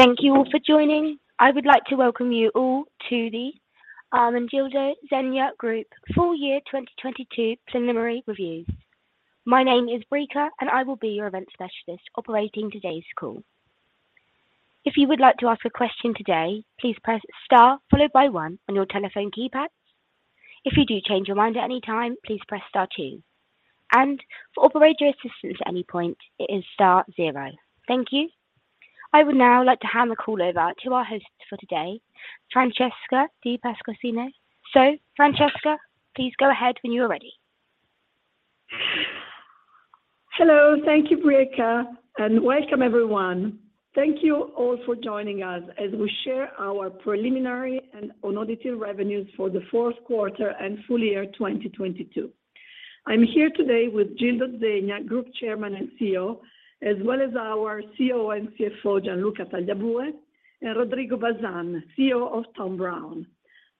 Thank you all for joining. I would like to welcome you all to the Ermenegildo Zegna Group Full Year 2022 preliminary review. My name is Breca, and I will be your event specialist operating today's call. If you would like to ask a question today, please press star followed by one on your telephone keypad. If you do change your mind at any time, please press star two. For operator assistance at any point, it is star zero. Thank you. I would now like to hand the call over to our host for today, Francesca Di Pasquantonio. Francesca, please go ahead when you are ready. Hello. Thank you, Breca, welcome everyone. Thank you all for joining us as we share our preliminary and unaudited revenues for the fourth quarter and full year 2022. I'm here today with Gildo Zegna, Group Chairman and CEO, as well as our COO and CFO, Gianluca Tagliabue, and Rodrigo Bazan, CEO of Thom Browne.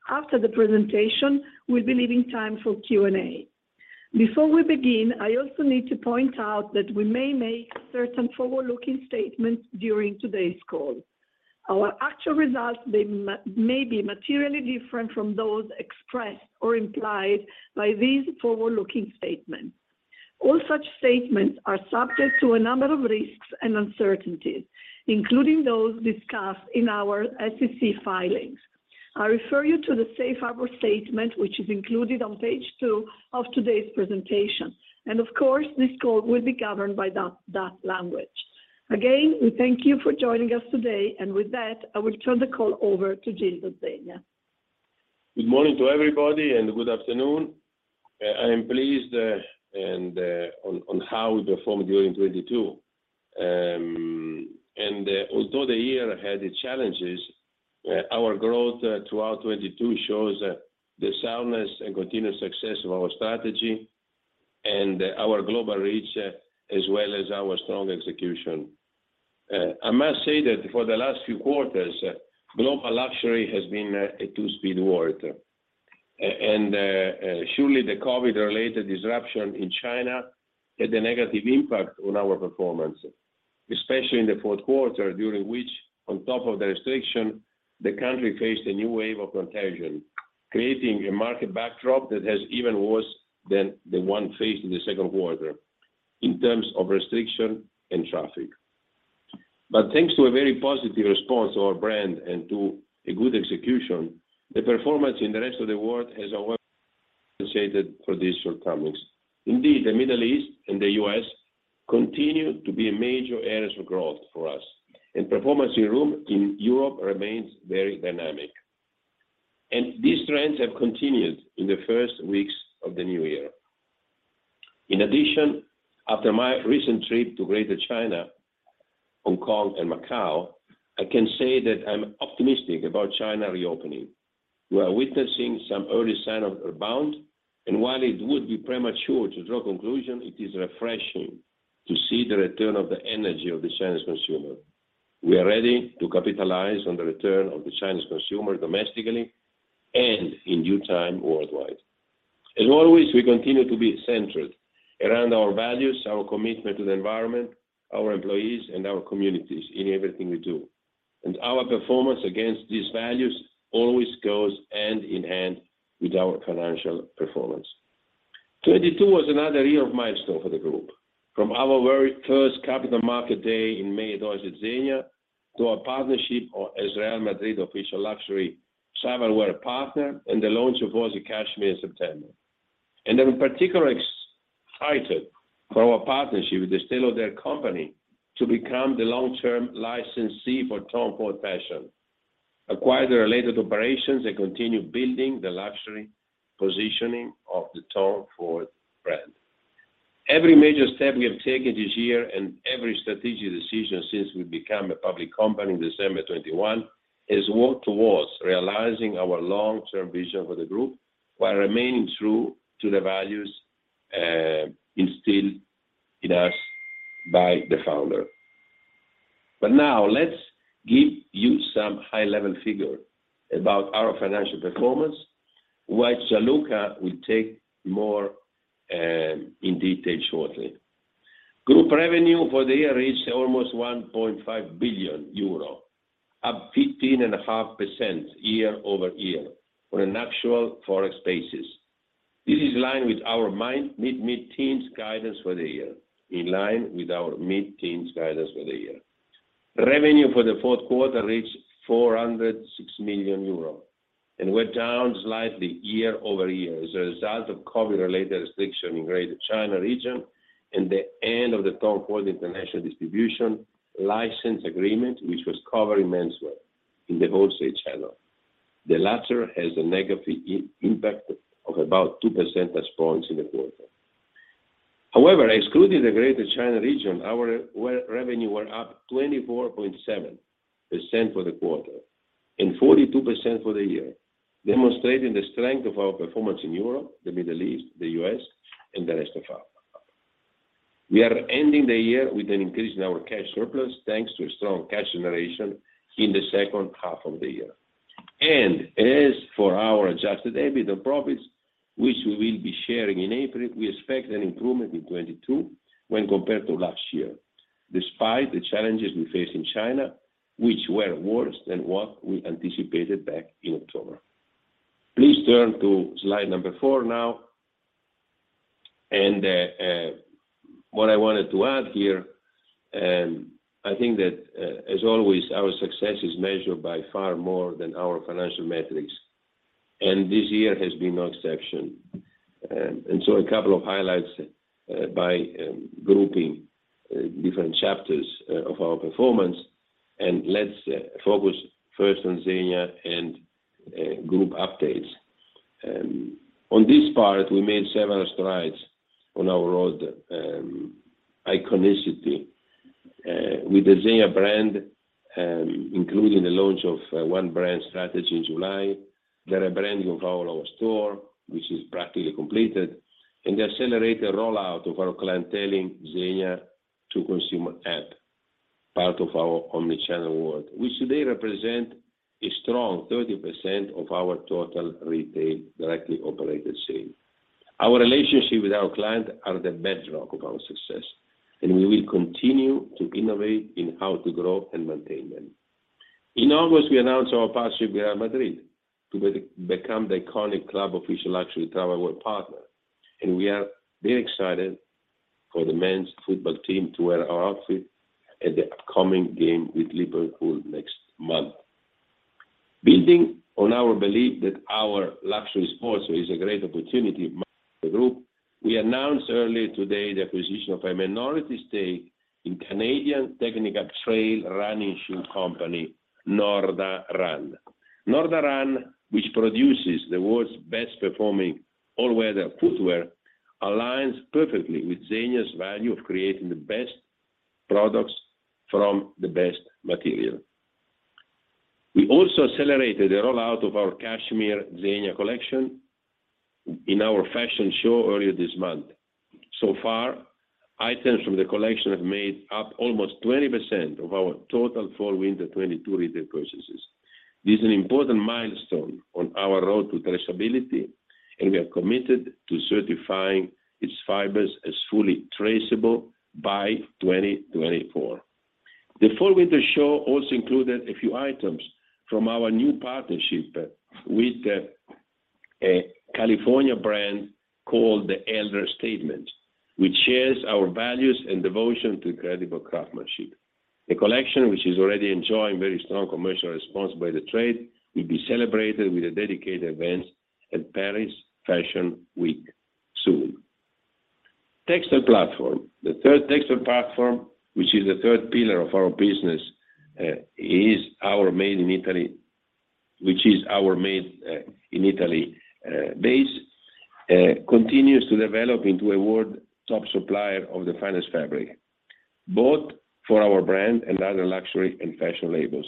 After the presentation, we'll be leaving time for Q&A. Before we begin, I also need to point out that we may make certain forward-looking statements during today's call. Our actual results may be materially different from those expressed or implied by these forward-looking statements. All such statements are subject to a number of risks and uncertainties, including those discussed in our SEC filings. I refer you to the safe harbor statement, which is included on page two of today's presentation, of course, this call will be governed by that language. Again, we thank you for joining us today, and with that, I will turn the call over to Gildo Zegna. Good morning to everybody, and good afternoon. I am pleased and on how we performed during 2022. Although the year had its challenges, our growth throughout 2022 shows the soundness and continued success of our strategy and our global reach, as well as our strong execution. I must say that for the last few quarters, Global Luxury has been a two-speed world. Surely the COVID-related disruption in China had a negative impact on our performance, especially in the fourth quarter, during which, on top of the restriction, the country faced a new wave of contagion, creating a market backdrop that has even worse than the one faced in the second quarter in terms of restriction and traffic. Thanks to a very positive response to our brand and to a good execution, the performance in the rest of the world has over associated for these shortcomings. Indeed, the Middle East and the U.S. continue to be major areas of growth for us. Performance in Europe remains very dynamic. These trends have continued in the first weeks of the new year. In addition, after my recent trip to Greater China, Hong Kong and Macau, I can say that I'm optimistic about China reopening. We are witnessing some early sign of rebound, and while it would be premature to draw conclusion, it is refreshing to see the return of the energy of the Chinese consumer. We are ready to capitalize on the return of the Chinese consumer domestically and in due time, worldwide. As always, we continue to be centered around our values, our commitment to the environment, our employees, and our communities in everything we do. Our performance against these values always goes hand in hand with our financial performance. 2022 was another year of milestone for the group. From our very first Capital Market Day in May at House of Zegna to our partnership as Real Madrid Official Luxury menswear partner and the launch of Oasi Cashmere in September. I'm particularly excited for our partnership with the The Estée Lauder Companies to become the long-term licensee for TOM FORD FASHION, acquire the related operations, and continue building the luxury positioning of the Tom Ford brand. Every major step we have taken this year and every strategic decision since we became a public company in December of 2021, has worked towards realizing our long-term vision for the group while remaining true to the values instilled in us by the founder. Now let's give you some high-level figure about our financial performance, which Gianluca will take more in detail shortly. Group revenue for the year reached almost 1.5 billion euro, up 15.5% year-over-year on an actual Forex basis. This is in line with our mid-teens guidance for the year. In line with our mid-teens guidance for the year. Revenue for the fourth quarter reached 406 million euros and went down slightly year-over-year as a result of COVID-related restriction in Greater China Region and the end of the Tom Ford international distribution license agreement, which was covering menswear in the Wholesale Channel. The latter has a negative impact of about 2% as points in the quarter. Excluding the Greater China Region, our revenue were up 24.7% for the quarter and 42% for the year, demonstrating the strength of our performance in Europe, the Middle East, the U.S., and the rest of our. We are ending the year with an increase in our cash surplus, thanks to a strong cash generation in the second half of the year. As for our Adjusted EBITDA profits, which we will be sharing in April, we expect an improvement in 2022 when compared to last year, despite the challenges we face in China, which were worse than what we anticipated back in October. Please turn to slide number four now. What I wanted to add here, and I think that as always, our success is measured by far more than our financial metrics, and this year has been no exception. A couple of highlights by grouping different chapters of our performance. Let's focus first on Zegna and group updates. On this part, we made several strides on our road, Iconicity, with the Zegna brand, including the launch of a One Brand strategy in July. There are branding of all our store, which is practically completed, and the accelerated rollout of our clienteling Zegna to consumer app, part of our omnichannel world, which today represent a strong 30% of our total retail directly operated sales. Our relationship with our clients are the bedrock of our success, we will continue to innovate in how to grow and maintain them. In August, we announced our partnership with Real Madrid to become the iconic club Official Luxury travel wear partner, we are very excited for the men's football team to wear our outfit at the upcoming game with Liverpool next month. Building on our belief that our luxury sports is a great opportunity the group, we announced earlier today the acquisition of a minority stake in Canadian technical trail running shoe company, Norda Run. Norda Run, which produces the world's best performing all-weather footwear, aligns perfectly with Zegna's value of creating the best products from the best material. We also accelerated the rollout of our cashmere Zegna collection in our fashion show earlier this month. So far, items from the collection have made up almost 20% of our total fall/winter 2022 retail purchases. This is an important milestone on our road to traceability. We are committed to certifying its fibers as fully traceable by 2024. The fall/winter show also included a few items from our new partnership with a California brand called The Elder Statesman, which shares our values and devotion to incredible craftsmanship. The collection, which is already enjoying very strong commercial response by the trade, will be celebrated with a dedicated event at Paris Fashion Week soon. Textile platform. The third textile platform, which is the third pillar of our business, is our Made in Italy, which is our Made in Italy base, continues to develop into a world top supplier of the finest fabric, both for our brand and other luxury and fashion labels.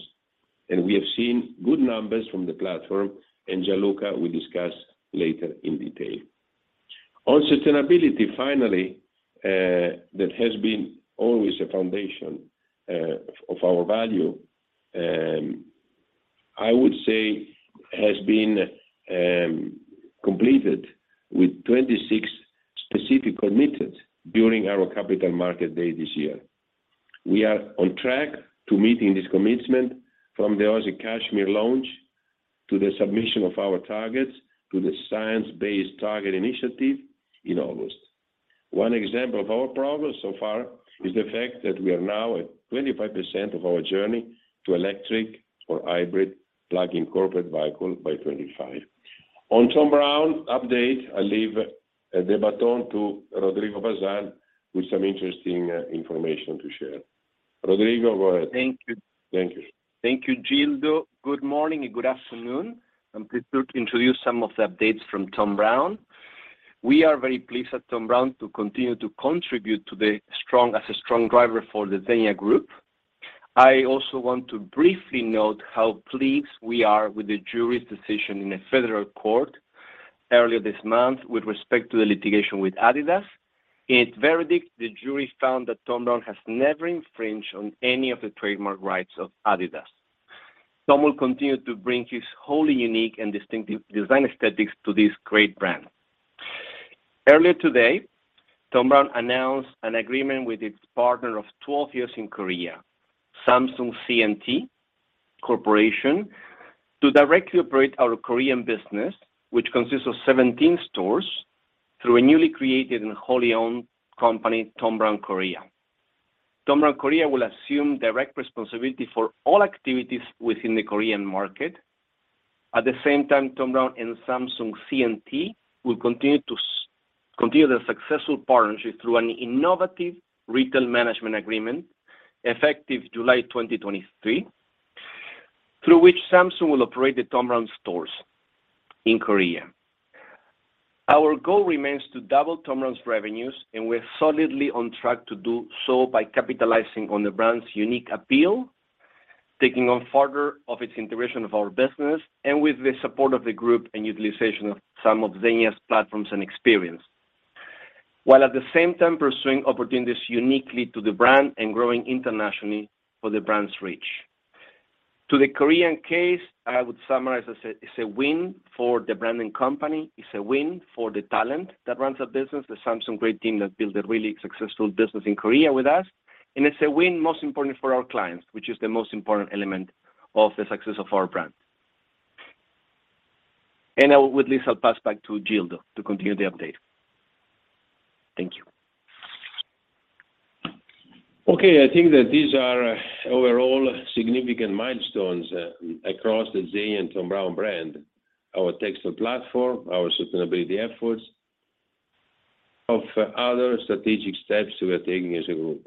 We have seen good numbers from the platform, and Gianluca will discuss later in detail. On sustainability, finally, that has been always a foundation of our value, I would say has been completed with 26 specific commitments during our Capital Markets Day this year. We are on track to meeting this commitment from the Oasi Cashmere launch, to the submission of our targets, to the Science Based Targets initiative in August. One example of our progress so far is the fact that we are now at 25% of our journey to electric or hybrid plug-in corporate vehicle by 2025. On Thom Browne update, I leave the baton to Rodrigo Bazan with some interesting information to share. Rodrigo, go ahead. Thank you. Thank you. Thank you, Gildo. Good morning and good afternoon. I'm pleased to introduce some of the updates from Thom Browne. We are very pleased at Thom Browne to continue to contribute as a strong driver for the Zegna Group. I also want to briefly note how pleased we are with the jury's decision in a federal court earlier this month with respect to the litigation with Adidas. In its verdict, the jury found that Thom Browne has never infringed on any of the trademark rights of Adidas. Thom will continue to bring his wholly unique and distinctive design aesthetics to this great brand. Earlier today, Thom Browne announced an agreement with its partner of 12 years in Korea, Samsung C&T Corporation, to directly operate our Korean business, which consists of 17 stores through a newly created and wholly owned company, Thom Browne Korea. Thom Browne Korea will assume direct responsibility for all activities within the Korean market. At the same time, Thom Browne and Samsung C&T will continue their successful partnership through an innovative retail management agreement effective July 2023, through which Samsung will operate the Thom Browne stores in Korea. Our goal remains to double Thom Browne's revenues. We're solidly on track to do so by capitalizing on the brand's unique appeal, taking on further of its integration of our business, and with the support of the group and utilization of some of Zegna's platforms and experience. While at the same time pursuing opportunities uniquely to the brand and growing internationally for the brand's reach. To the Korean case, I would summarize as it's a win for the branding company, it's a win for the talent that runs our business, the Samsung great team that built a really successful business in Korea with us, and it's a win most important for our clients, which is the most important element of the success of our brand. Now with this, I'll pass back to Gildo to continue the update. Thank you. Okay. I think that these are overall significant milestones across the Zegna and Thom Browne brand, our textile platform, our sustainability efforts, of other strategic steps we are taking as a group.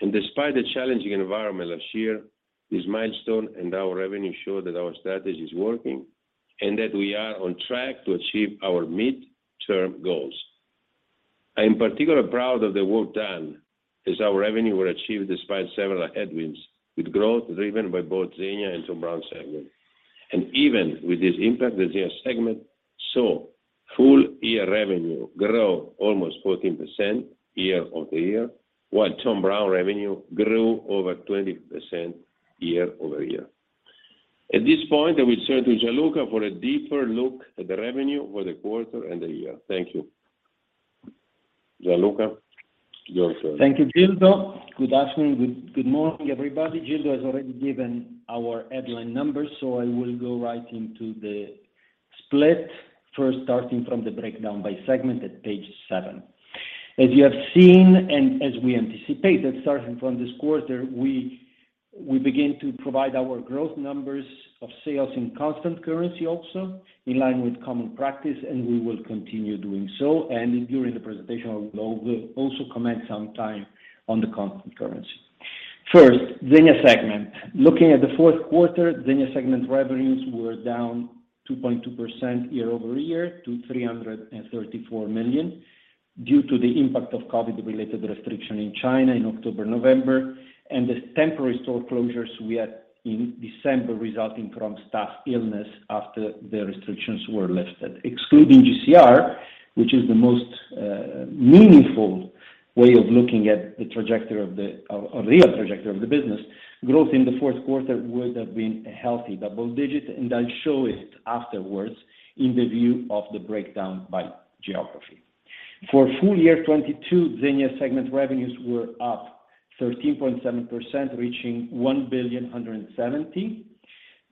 Despite the challenging environment last year, this milestone and our revenue show that our strategy is working and that we are on track to achieve our mid-term goals. I am particularly proud of the work done as our revenue were achieved despite several headwinds, with growth driven by both Zegna and Thom Browne segment. Even with this impact, the Zegna segment saw full year revenue grow almost 14% year-over-year, while Thom Browne revenue grew over 20% year-over-year. At this point, I will turn to Gianluca for a deeper look at the revenue for the quarter and the year. Thank you. Gianluca, your turn. Thank you, Gildo. Good afternoon. Good morning, everybody. Gildo has already given our headline numbers. I will go right into the split first, starting from the breakdown by segment at page seven. As you have seen, as we anticipate that starting from this quarter, we begin to provide our growth numbers of sales in constant currency also, in line with common practice. We will continue doing so. During the presentation, I will also comment some time on the constant currency. First, Zegna segment. Looking at the fourth quarter, Zegna segment revenues were down 2.2% year-over-year to 334 million due to the impact of COVID-related restriction in China in October, November, and the temporary store closures we had in December resulting from staff illness after the restrictions were lifted. Excluding GCR, which is the most meaningful way of looking at the real trajectory of the business, growth in the fourth quarter would have been a healthy double-digits, and I'll show it afterwards in the view of the breakdown by geography. For full year 2022, Zegna segment revenues were up 13.7%, reaching 1 billion 170.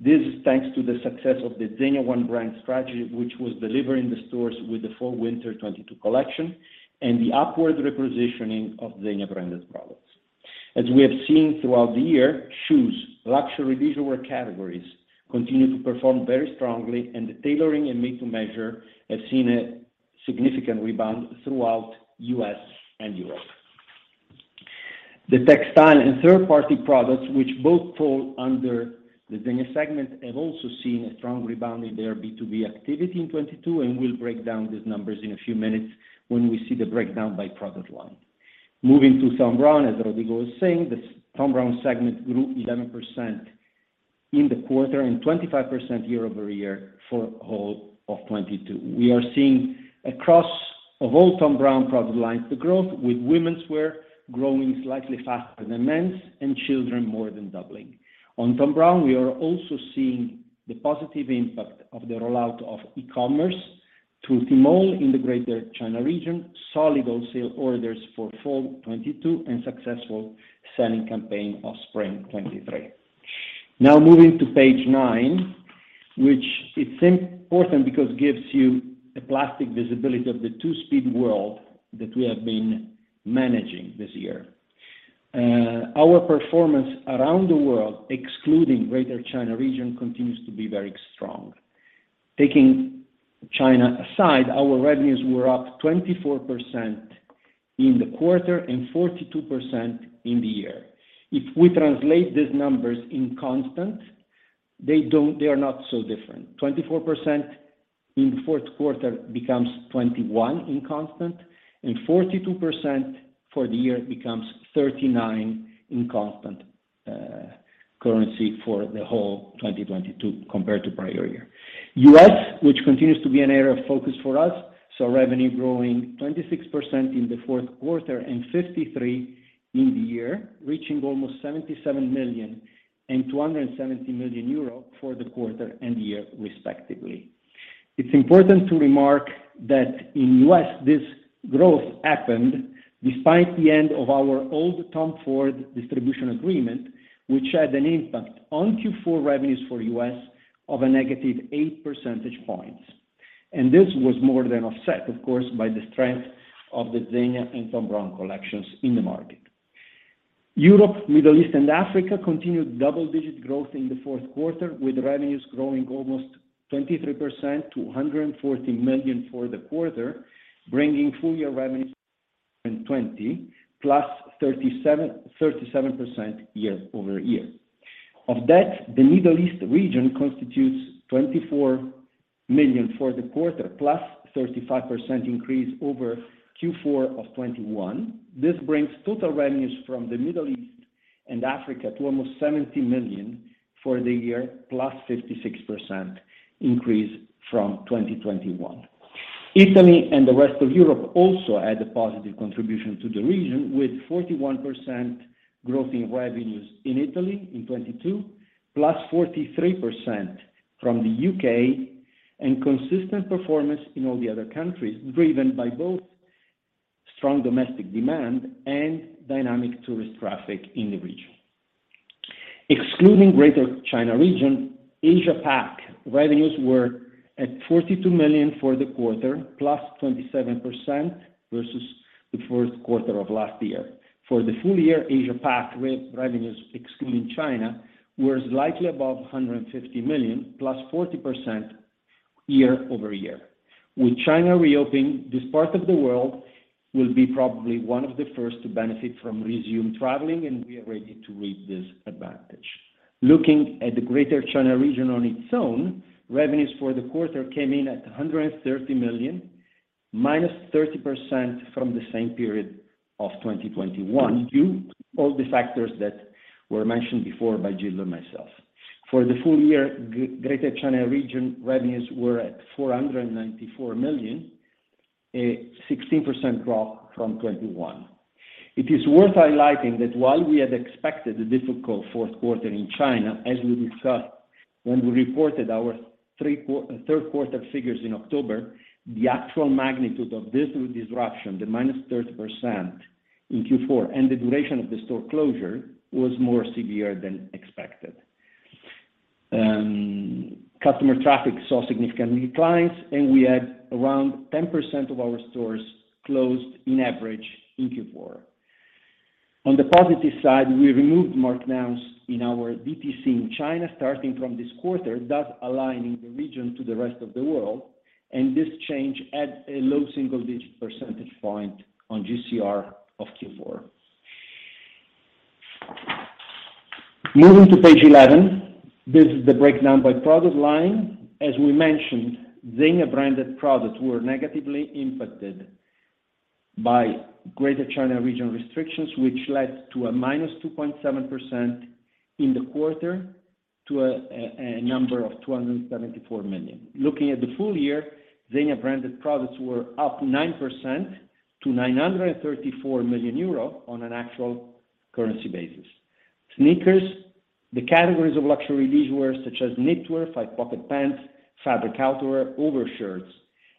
This is thanks to the success of the ZEGNA One Brand strategy, which was delivered in the stores with the fall/winter 2022 collection and the upward repositioning of Zegna branded products. As we have seen throughout the year, shoes, luxury visual wear categories continue to perform very strongly, and the tailoring and Made-to-Measure have seen a significant rebound throughout U.S. and Europe. The textile and third-party products, which both fall under the Zegna segment, have also seen a strong rebound in their B2B activity in 2022. We'll break down these numbers in a few minutes when we see the breakdown by product line. Moving to Thom Browne, as Rodrigo was saying, the Thom Browne segment grew 11% in the quarter and 25% year-over-year for whole of 2022. We are seeing across of all Thom Browne product lines the growth, with womenswear growing slightly faster than men's and children more than doubling. On Thom Browne, we are also seeing the positive impact of the rollout of e-commerce through Tmall in the Greater China Region, solid wholesale orders for fall 2022, and successful selling campaign of spring 2023. Now moving to page nine, which it's important because gives you a plastic visibility of the two-speed world that we have been managing this year. Our performance around the world, excluding Greater China Region, continues to be very strong. Taking China aside, our revenues were up 24% in the quarter and 42% in the year. If we translate these numbers in constant, they are not so different. 24% in the fourth quarter becomes 21 in constant, and 42% for the year becomes 39 in constant currency for the whole 2022 compared to prior year. U.S., which continues to be an area of focus for us, saw revenue growing 26% in the fourth quarter and 53 in the year, reaching almost 77 million and 270 million for the quarter and the year, respectively. It's important to remark that in U.S., this growth happened despite the end of our old Tom Ford distribution agreement, which had an impact on Q4 revenues for U.S. of a negative 8 percentage points. This was more than offset, of course, by the strength of the Zegna and Thom Browne collections in the market. Europe, Middle East, and Africa continued double-digit growth in the fourth quarter, with revenues growing almost 23% to 114 million for the quarter, bringing full year revenues in 2020, +37% year-over-year. Of that, the Middle East region constitutes 24 million for the quarter, +35% increase over Q4 of 2021. This brings total revenues from the Middle East and Africa to almost 70 million for the year, +56% increase from 2021. Italy and the rest of Europe also had a positive contribution to the region, with 41% growth in revenues in Italy in 2022, +43% from the U.K., and consistent performance in all the other countries, driven by both strong domestic demand and dynamic tourist traffic in the region. Excluding Greater China Region, Asia-Pac revenues were at 42 million for the quarter, +27% versus the first quarter of last year. For the full year Asia-Pac with revenues excluding China, was likely above EUR 150 million, +40% year-over-year. With China reopening, this part of the world will be probably one of the first to benefit from resumed traveling, and we are ready to reap this advantage. Looking at the Greater China Region on its own, revenues for the quarter came in at 130 million, -30% from the same period of 2021, due to all the factors that were mentioned before by Gildo and myself. For the full year, Greater China Region revenues were at 494 million, a 16% drop from 2021. It is worth highlighting that while we had expected a difficult fourth quarter in China, as we discussed when we reported our third quarter figures in October, the actual magnitude of this disruption, the -30% in Q4, and the duration of the store closure was more severe than expected. Customer traffic saw significant declines, and we had around 10% of our stores closed in average in Q4. On the positive side, we removed markdowns in our DTC in China starting from this quarter, thus aligning the region to the rest of the world. This change adds a low single-digit percentage point on GCR of Q4. Moving to page 11. This is the breakdown by product line. As we mentioned, Zegna branded products were negatively impacted by Greater China Region restrictions, which led to a -2.7% in the quarter, to a number of 274 million. Looking at the full year, Zegna branded products were up 9% to 934 million euro on an actual currency basis. Sneakers, the categories of luxury leisure wear such as knitwear, five-pocket pants, fabric outerwear, overshirts,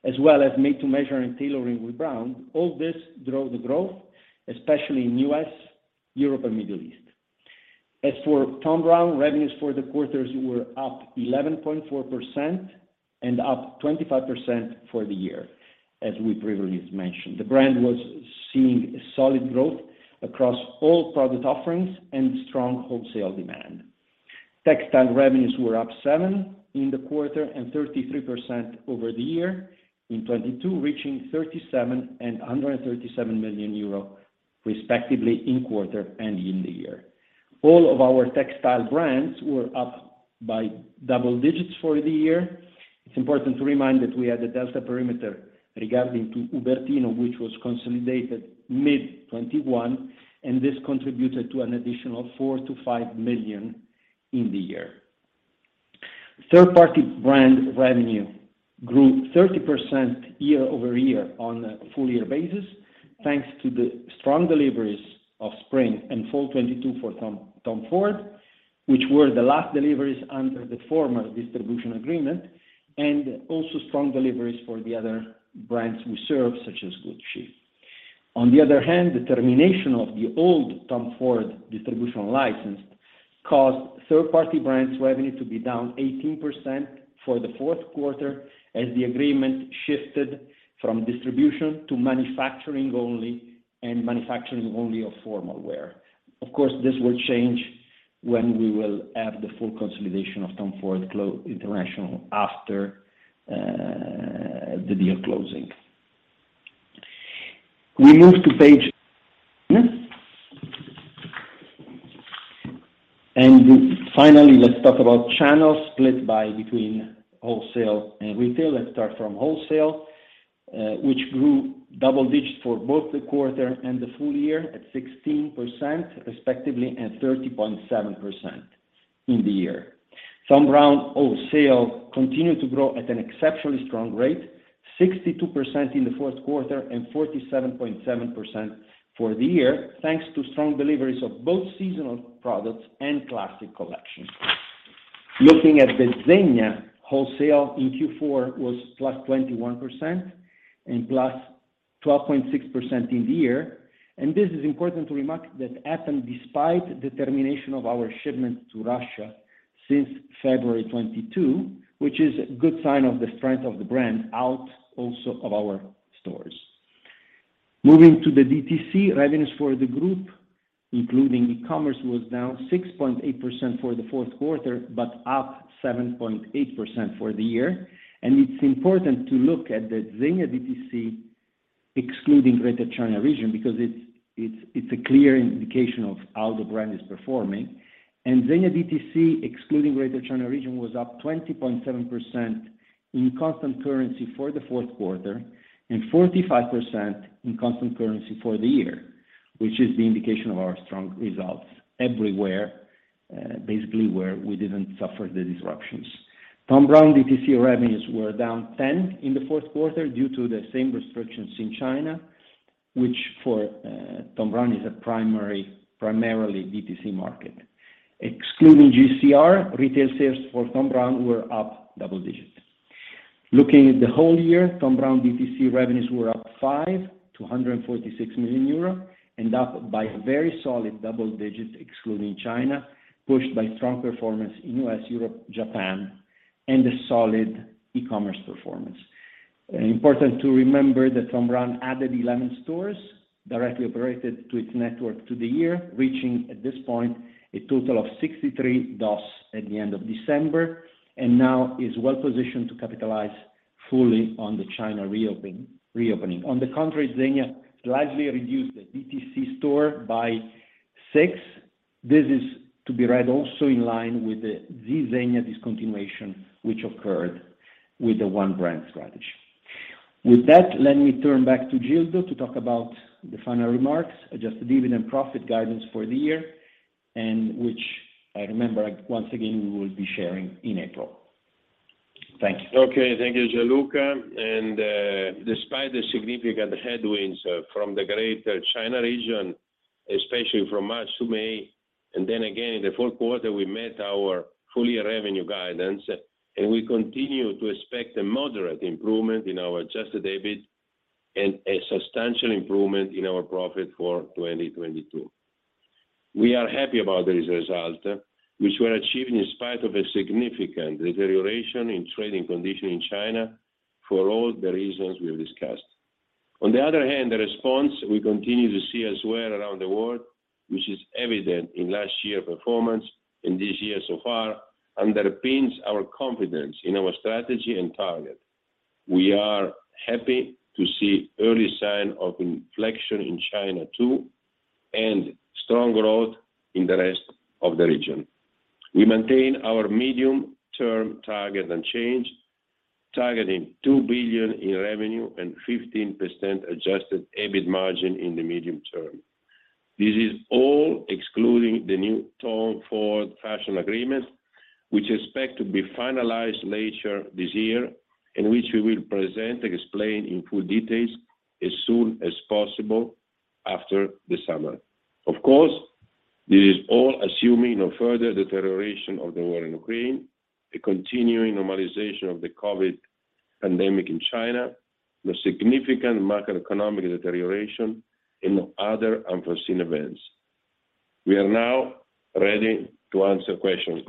as well as made-to-measure and tailoring with Brown, all this drove the growth, especially in U.S., Europe and Middle East. As for Thom Browne, revenues for the quarters were up 11.4% and up 25% for the year as we previously mentioned. The brand was seeing solid growth across all product offerings and strong wholesale demand. Textile revenues were up 7% in the quarter and 33% over the year in 2022, reaching 37 million euro and137 million respectively in the quarter and in the year. All of our textile brands were up by double digits for the year. It's important to remind that we had a delta perimeter regarding Tessitura Ubertino, which was consolidated mid-2021, and this contributed to an additional 4 million-5 million in the year. Third-party brand revenue grew 30% year-over-year on a full year basis, thanks to the strong deliveries of spring and fall 2022 for Tom Ford, which were the last deliveries under the former distribution agreement, and also strong deliveries for the other brands we serve, such as Gucci. On the other hand, the termination of the old Tom Ford distribution license caused third-party brands revenue to be down 18% for the fourth quarter as the agreement shifted from distribution to manufacturing only, and manufacturing only of formal wear. Of course, this will change when we will have the full consolidation of Tom Ford International after the deal closing. Finally, let's talk about channels split between wholesale and retail. Let's start from wholesale, which grew double digits for both the quarter and the full year at 16% respectively, and 30.7% in the year. Thom Browne wholesale continued to grow at an exceptionally strong rate, 62% in the fourth quarter and 47.7% for the year, thanks to strong deliveries of both seasonal products and classic collections. Looking at the Zegna, wholesale in Q4 was +21% and +12.6% in the year. This is important to remark that happened despite the termination of our shipments to Russia since February 2022, which is a good sign of the strength of the brand out also of our stores. Moving to the DTC, revenues for the group, including e-commerce, was down 6.8% for the fourth quarter, but up 7.8% for the year. It's important to look at the Zegna DTC excluding Greater China Region because it's a clear indication of how the brand is performing. Zegna DTC, excluding Greater China Region, was up 20.7% in constant currency for the fourth quarter and 45% in constant currency for the year, which is the indication of our strong results everywhere, basically where we didn't suffer the disruptions. Thom Browne DTC revenues were down 10% in the fourth quarter due to the same restrictions in China, which for Thom Browne is a primarily DTC market. Excluding GCR, retail sales for Thom Browne were up double digits. Looking at the whole year, Thom Browne DTC revenues were up 546 million euro and up by very solid double digits excluding China, pushed by strong performance in U.S., Europe, Japan and a solid e-commerce performance. Important to remember that Thom Browne added 11 stores directly operated to its network to the year, reaching at this point a total of 63 DOS at the end of December, now is well positioned to capitalize fully on the China reopening. Zegna largely reduced the DTC store by six. This is to be read also in line with the Z Zegna discontinuation which occurred with the One Brand strategy. With that, let me turn back to Gildo to talk about the final remarks, Adjusted EBITDA and profit guidance for the year which I remember once again we will be sharing in April. Thank you. Okay. Thank you, Gianluca. Despite the significant headwinds from the Greater China Region, especially from March to May, and then again in the fourth quarter, we met our full-year revenue guidance, and we continue to expect a moderate improvement in our Adjusted EBIT and a substantial improvement in our profit for 2022. We are happy about this result, which we are achieving in spite of a significant deterioration in trading condition in China for all the reasons we have discussed. On the other hand, the response we continue to see as well around the world, which is evident in last year performance and this year so far, underpins our confidence in our strategy and target. We are happy to see early sign of inflection in China too, and strong growth in the rest of the region. We maintain our medium-term target unchanged, targeting 2 billion in revenue and 15% Adjusted EBIT margin in the medium term. This is all excluding the new Tom Ford Fashion agreement, which expect to be finalized later this year and which we will present and explain in full details as soon as possible after the summer. Of course, this is all assuming no further deterioration of the war in Ukraine, a continuing normalization of the COVID pandemic in China, no significant macroeconomic deterioration and no other unforeseen events. We are now ready to answer questions.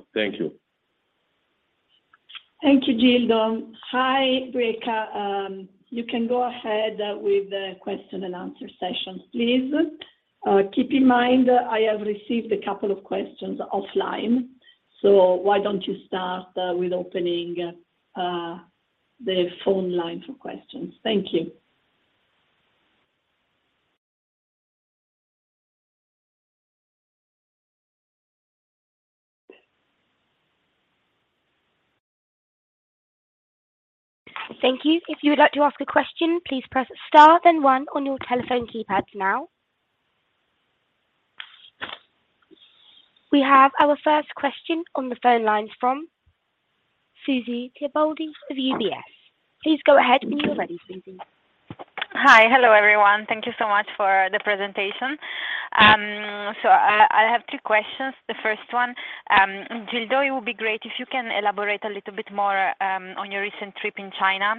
Thank you. Thank you, Gildo. Hi, Breca. You can go ahead with the question and answer session, please. Keep in mind I have received a couple of questions offline, so why don't you start with opening the phone line for questions. Thank you. Thank you. If you would like to ask a question, please press star then one on your telephone keypads now. We have our first question on the phone lines from Susy Tibaldi of UBS. Please go ahead when you're ready, Susy. Hi. Hello, everyone. Thank you so much for the presentation. I have two questions. The first one, Gildo, it would be great if you can elaborate a little bit more on your recent trip in China,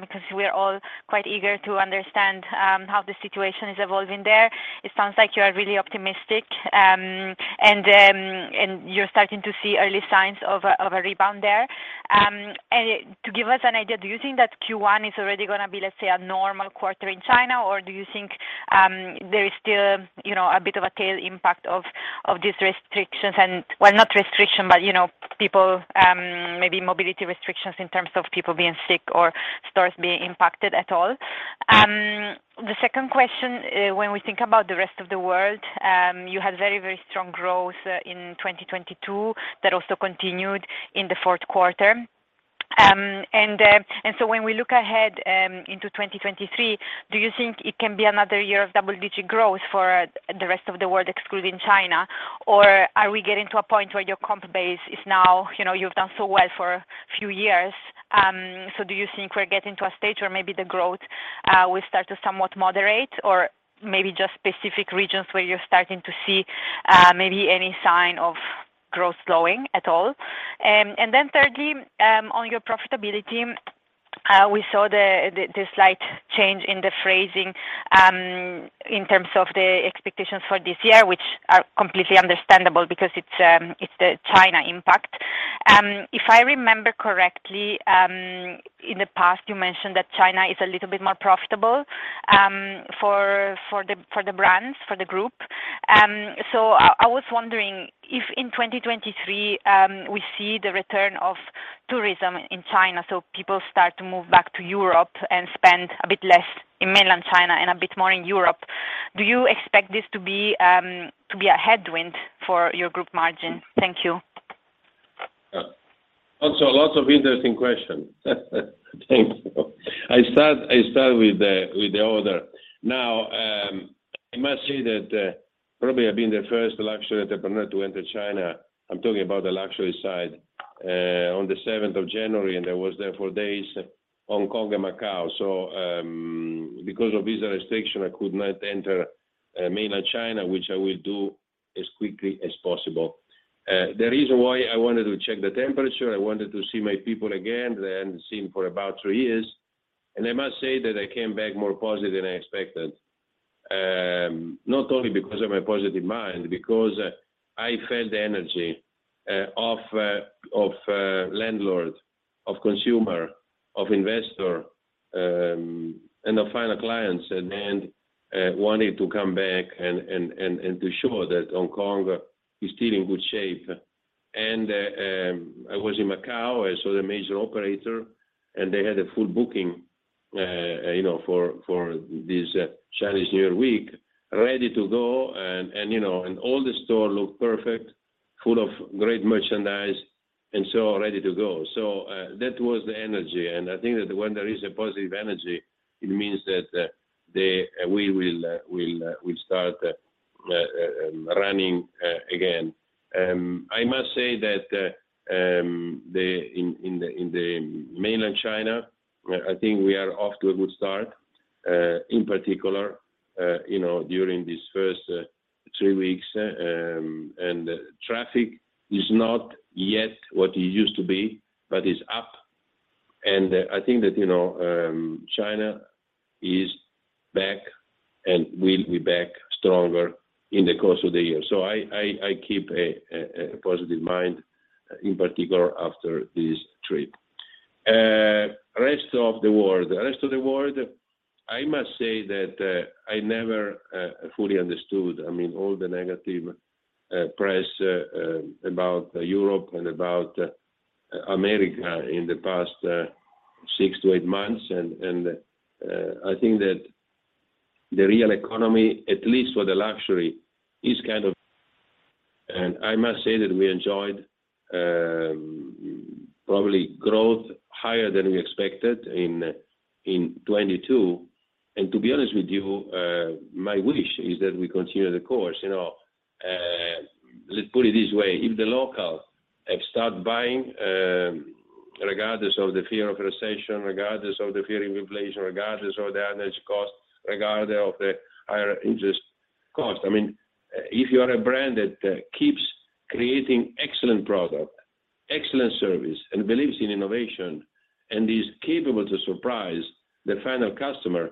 because we're all quite eager to understand how the situation is evolving there. It sounds like you are really optimistic, and you're starting to see early signs of a rebound there. To give us an idea, do you think that Q1 is already gonna be, let's say, a normal quarter in China? Or do you think there is still, you know, a bit of a tail impact of these restrictions and... Well, not restriction, but you know, people, maybe mobility restrictions in terms of people being sick or stores being impacted at all. The second question, when we think about the rest of the world, you had very, very strong growth in 2022 that also continued in the fourth quarter. When we look ahead, into 2023, do you think it can be another year of double-digit growth for the rest of the world, excluding China? Are we getting to a point where your comp base is now, you know, you've done so well for a few years, do you think we're getting to a stage where maybe the growth will start to somewhat moderate or maybe just specific regions where you're starting to see maybe any sign of growth slowing at all? Thirdly, on your profitability, we saw the slight change in the phrasing in terms of the expectations for this year, which are completely understandable because it's the China impact. If I remember correctly, in the past you mentioned that China is a little bit more profitable for the brands, for the group. I was wondering if in 2023, we see the return of tourism in China, so people start to move back to Europe and spend a bit less in mainland China and a bit more in Europe. Do you expect this to be a headwind for your group margin? Thank you. Yeah. Lots of interesting questions. Thank you. I start with the order. Now, I must say that probably I've been the first luxury entrepreneur to enter China. I'm talking about the luxury side. On the seventh of January, I was there for days, Hong Kong and Macau. Because of visa restriction, I could not enter mainland China, which I will do as quickly as possible. The reason why I wanted to check the temperature, I wanted to see my people again, who I hadn't seen for about three years. I must say that I came back more positive than I expected. Not only because of my positive mind, because I felt the energy of landlords, of consumer, of investor, and the final clients wanting to come back and to show that Hong Kong is still in good shape. I was in Macau. I saw the major operator, and they had a full booking for this Chinese New Year week, ready to go and all the store looked perfect, full of great merchandise and so ready to go. That was the energy, and I think that when there is a positive energy, it means that we will start running again. I must say that. in the mainland China, I think we are off to a good start, in particular, you know, during these first three weeks. Traffic is not yet what it used to be, but it's up. I think that, you know, China is back and will be back stronger in the course of the year. I keep a positive mind, in particular after this trip. The rest of the world, I must say that I never fully understood, I mean, all the negative press about Europe and about America in the past six to eight months. I think that the real economy, at least for the luxury, is kind of... I must say that we enjoyed, probably growth higher than we expected in 2022. To be honest with you, my wish is that we continue the course. You know, let's put it this way, if the locals, like, start buying, regardless of the fear of recession, regardless of the fear of inflation, regardless of the average cost, regardless of the higher interest cost. I mean, if you are a brand that keeps creating excellent product, excellent service, and believes in innovation and is capable to surprise the final customer,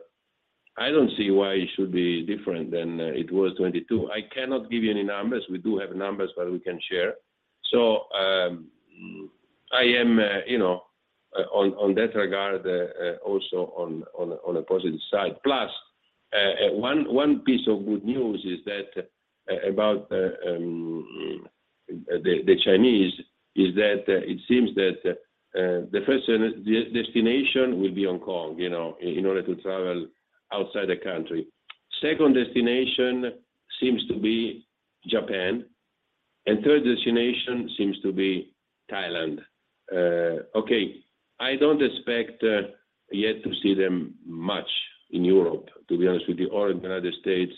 I don't see why it should be different than it was 2022. I cannot give you any numbers. We do have numbers that we can share. I am, you know, on that regard, also on a positive side. One piece of good news is that the Chinese is that it seems that the first destination will be Hong Kong, you know, in order to travel outside the country. Second destination seems to be Japan, and third destination seems to be Thailand. Okay. I don't expect yet to see them much in Europe, to be honest with you, or in the United States.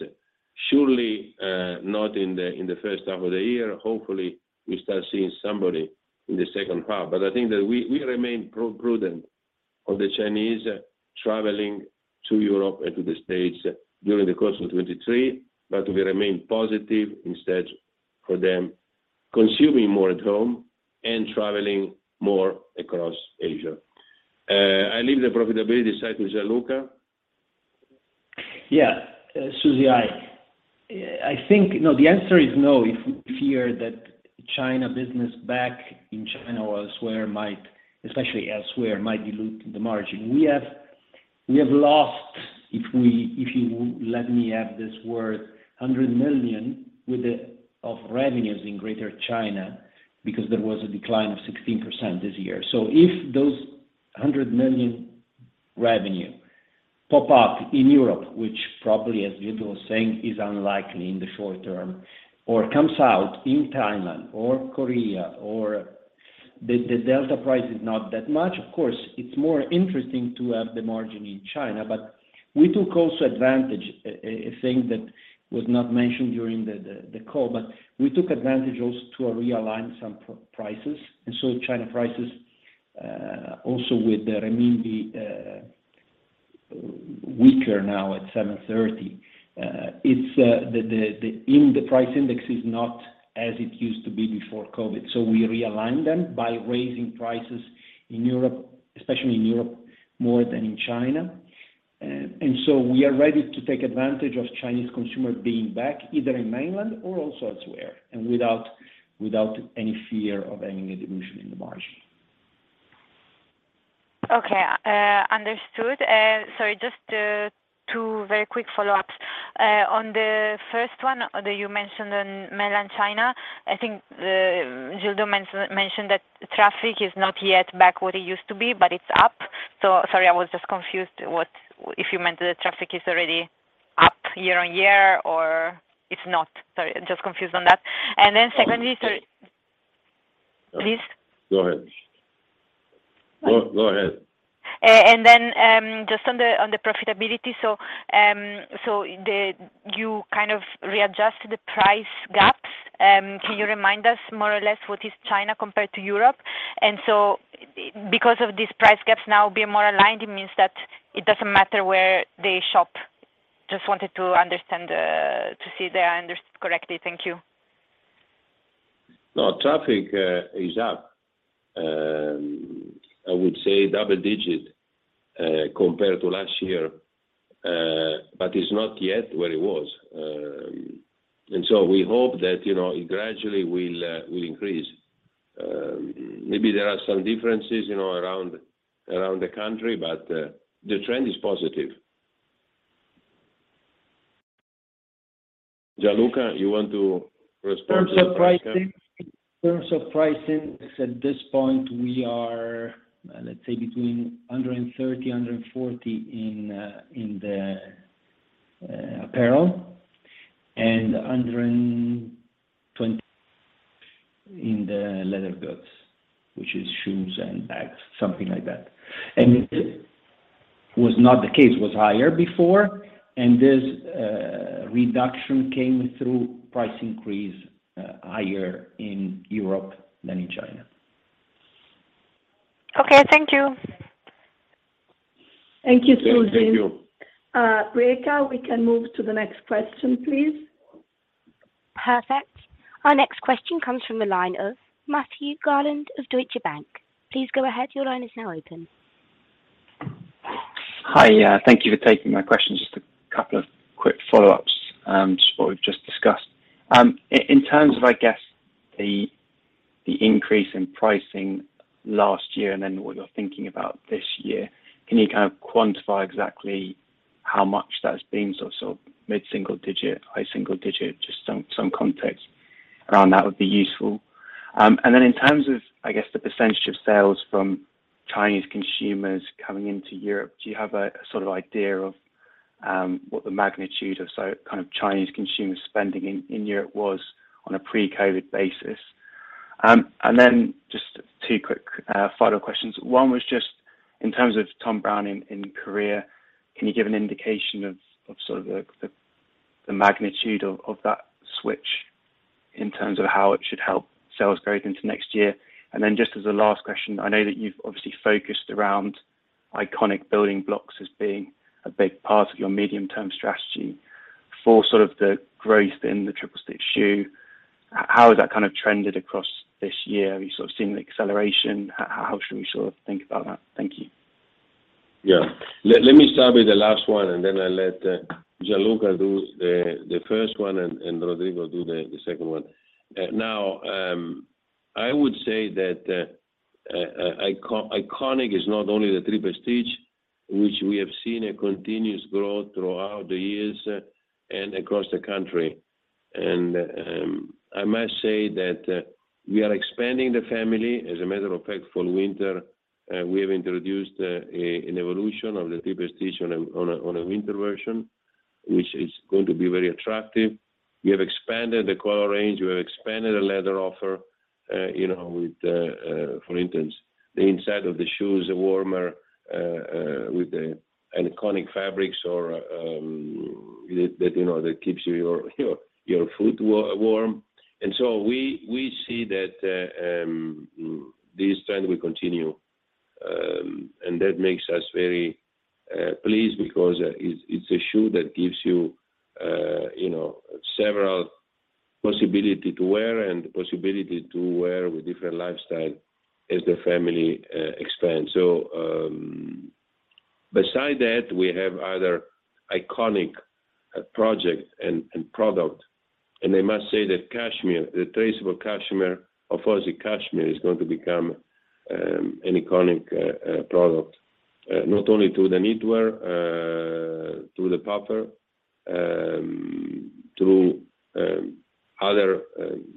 Surely, not in the first half of the year. Hopefully, we start seeing somebody in the second half. I think that we remain prudent of the Chinese traveling to Europe and to the States during the course of 2023, but we remain positive instead for them consuming more at home and traveling more across Asia. I leave the profitability side to Gianluca. Yeah. Susy, I think... No, the answer is no. If we fear that China business back in China or elsewhere might, especially elsewhere, might dilute the margin. We have lost, if you let me have this word, 100 million of revenues in Greater China because there was a decline of 16% this year. If those 100 million revenue pop up in Europe, which probably, as Gildo Zegna was saying, is unlikely in the short term, or comes out in Thailand or Korea or the delta price is not that much. Of course, it's more interesting to have the margin in China, we took also advantage, a thing that was not mentioned during the call, we took advantage also to realign some prices. China prices, also with the renminbi weaker now at 7.30, it's in the price index is not as it used to be before COVID. We realign them by raising prices in Europe, especially in Europe, more than in China. We are ready to take advantage of Chinese consumer being back, either in mainland or also elsewhere, and without any fear of having a dilution in the margin. Okay, understood. Sorry, just two very quick follow-ups. On the first one, that you mentioned on mainland China, I think, Gildo mentioned that traffic is not yet back what it used to be, but it's up. Sorry, I was just confused what... If you meant that the traffic is already up year on year or it's not. Sorry, I'm just confused on that. Secondly, sorry- Go ahead. Please? Go ahead. Go ahead. Just on the profitability. You kind of readjusted the price gaps. Can you remind us more or less what is China compared to Europe? Because of these price gaps now being more aligned, it means that it doesn't matter where they shop? Just wanted to understand, to see if I correctly. Thank you. Traffic is up, I would say double-digit, compared to last year. It's not yet where it was. We hope that, you know, it gradually will increase. Maybe there are some differences, you know, around the country, the trend is positive. Gianluca, you want to respond to that question? In terms of pricing, at this point we are, let's say 130-140 in the apparel, and 120 in the leather goods, which is shoes and bags, something like that. It was not the case, it was higher before, and this reduction came through price increase, higher in Europe than in China. Okay. Thank you. Thank you, Susy. Thank you. Breca, we can move to the next question, please. Perfect. Our next question comes from the line of Matt Garland of Deutsche Bank. Please go ahead. Your line is now open. Hi. Thank you for taking my questions. Just a couple of quick follow-ups to what we've just discussed. In terms of, I guess, the increase in pricing last year and then what you're thinking about this year, can you kind of quantify exactly how much that's been? Mid-single digit, high single digit, just some context around that would be useful. In terms of, I guess, the percentage of sales from Chinese consumers coming into Europe, do you have a sort of idea of what the magnitude of Chinese consumer spending in Europe was on a pre-COVID basis? Just two quick follow-up questions. One was just in terms of Thom Browne in Korea, can you give an indication of sort of the magnitude of that switch in terms of how it should help sales growth into next year? Just as a last question, I know that you've obviously focused around iconic building blocks as being a big part of your medium-term strategy. For sort of the growth in the Triple Stitch shoe, how has that kind of trended across this year? Have you sort of seen the acceleration? How should we sort of think about that? Thank you. Yeah. Let me start with the last one, and then I'll let Gianluca do the first one and Rodrigo do the second one. Now, I would say that iconic is not only the Triple Stitch, which we have seen a continuous growth throughout the years and across the country. I must say that we are expanding the family. As a matter of fact, for winter, we have introduced an evolution of the Triple Stitch on a winter version, which is going to be very attractive. We have expanded the color range. We have expanded the leather offer, you know, with, for instance, the inside of the shoe is warmer, with the, an iconic fabrics or, that, you know, that keeps your, your foot warm. We see that this trend will continue. That makes us very pleased because it's a shoe that gives you know, several possibility to wear and possibility to wear with different lifestyle as the family expands. Beside that, we have other iconic project and product, and I must say that cashmere, the traceable cashmere, of course, the cashmere is going to become an iconic product, not only through the knitwear, through the puffer, through other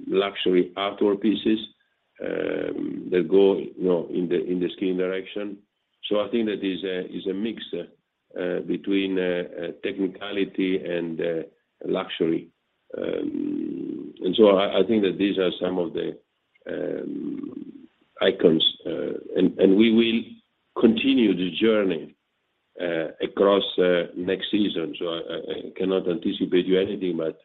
luxury outdoor pieces that go, you know, in the skiing direction. I think that is a mix between technicality and luxury. I think that these are some of the icons. We will continue the journey across next season. I cannot anticipate you anything, but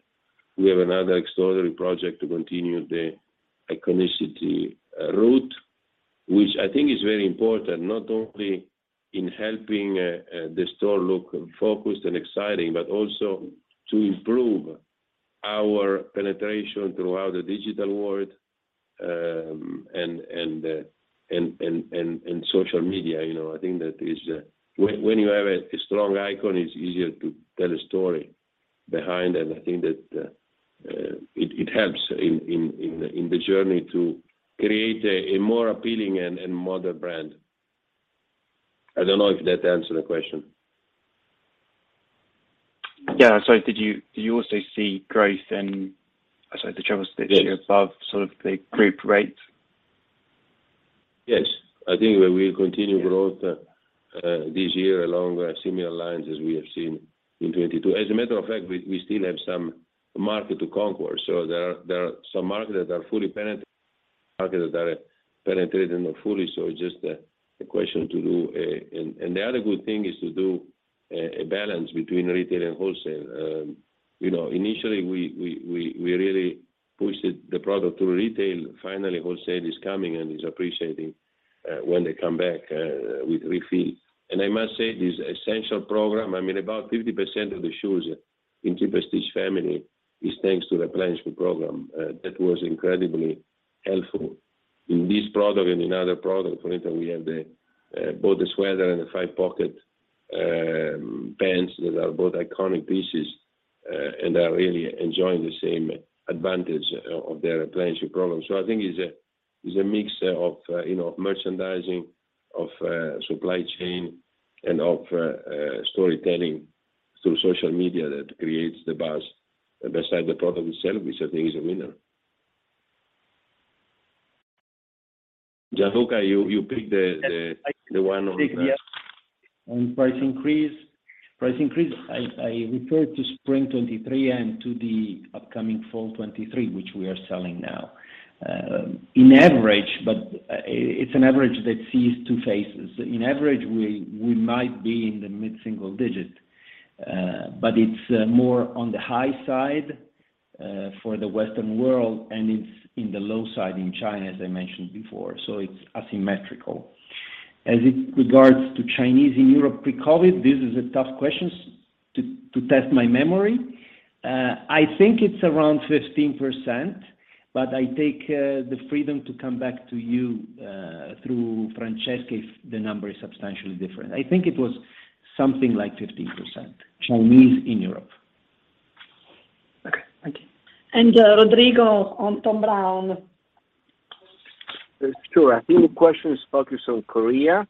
we have another extraordinary project to continue the iconicity route, which I think is very important, not only in helping the store look focused and exciting, but also to improve our penetration throughout the digital world and social media, you know. I think that is, when you have a strong icon, it's easier to tell a story. Behind, I think that, it helps in the journey to create a more appealing and modern brand. I don't know if that answered the question. Yeah. Did you, do you also see growth in, sorry, the Triple Stitch above- Yes Sort of the group rate? Yes. I think we will continue growth, this year along similar lines as we have seen in 2022. As a matter of fact, we still have some market to conquer, so there are some markets that are fully penetrated, markets that are penetrated, not fully. So just a question to do. And the other good thing is to do a balance between retail and wholesale. You know, initially we really pushed the product to retail. Finally, wholesale is coming and is appreciating, when they come back, with refill. And I must say this essential program, I mean, about 50% of the shoes in Triple Stitch family is thanks to the replenishment program. That was incredibly helpful in this product and in other products. For instance, we have the both the sweater and the 5 pocket pants that are both iconic pieces, and are really enjoying the same advantage of their replenishment program. I think it's a, it's a mix of, you know, merchandising, of supply chain and of storytelling through social media that creates the buzz beside the product itself, which I think is a winner. Gianluca, you picked the one on-. On price increase. Price increase, I refer to spring 2023 and to the upcoming fall 2023, which we are selling now. In average, it's an average that sees two faces. In average, we might be in the mid-single digit, but it's more on the high side for the Western world, and it's in the low side in China, as I mentioned before. It's asymmetrical. As it regards to Chinese in Europe pre-COVID, this is a tough question to test my memory. I think it's around 15%, but I take the freedom to come back to you through Francesco if the number is substantially different. I think it was something like 15%, Chinese in Europe. Okay. Thank you. Rodrigo on Thom Browne. Sure. I think the question is focused on Korea.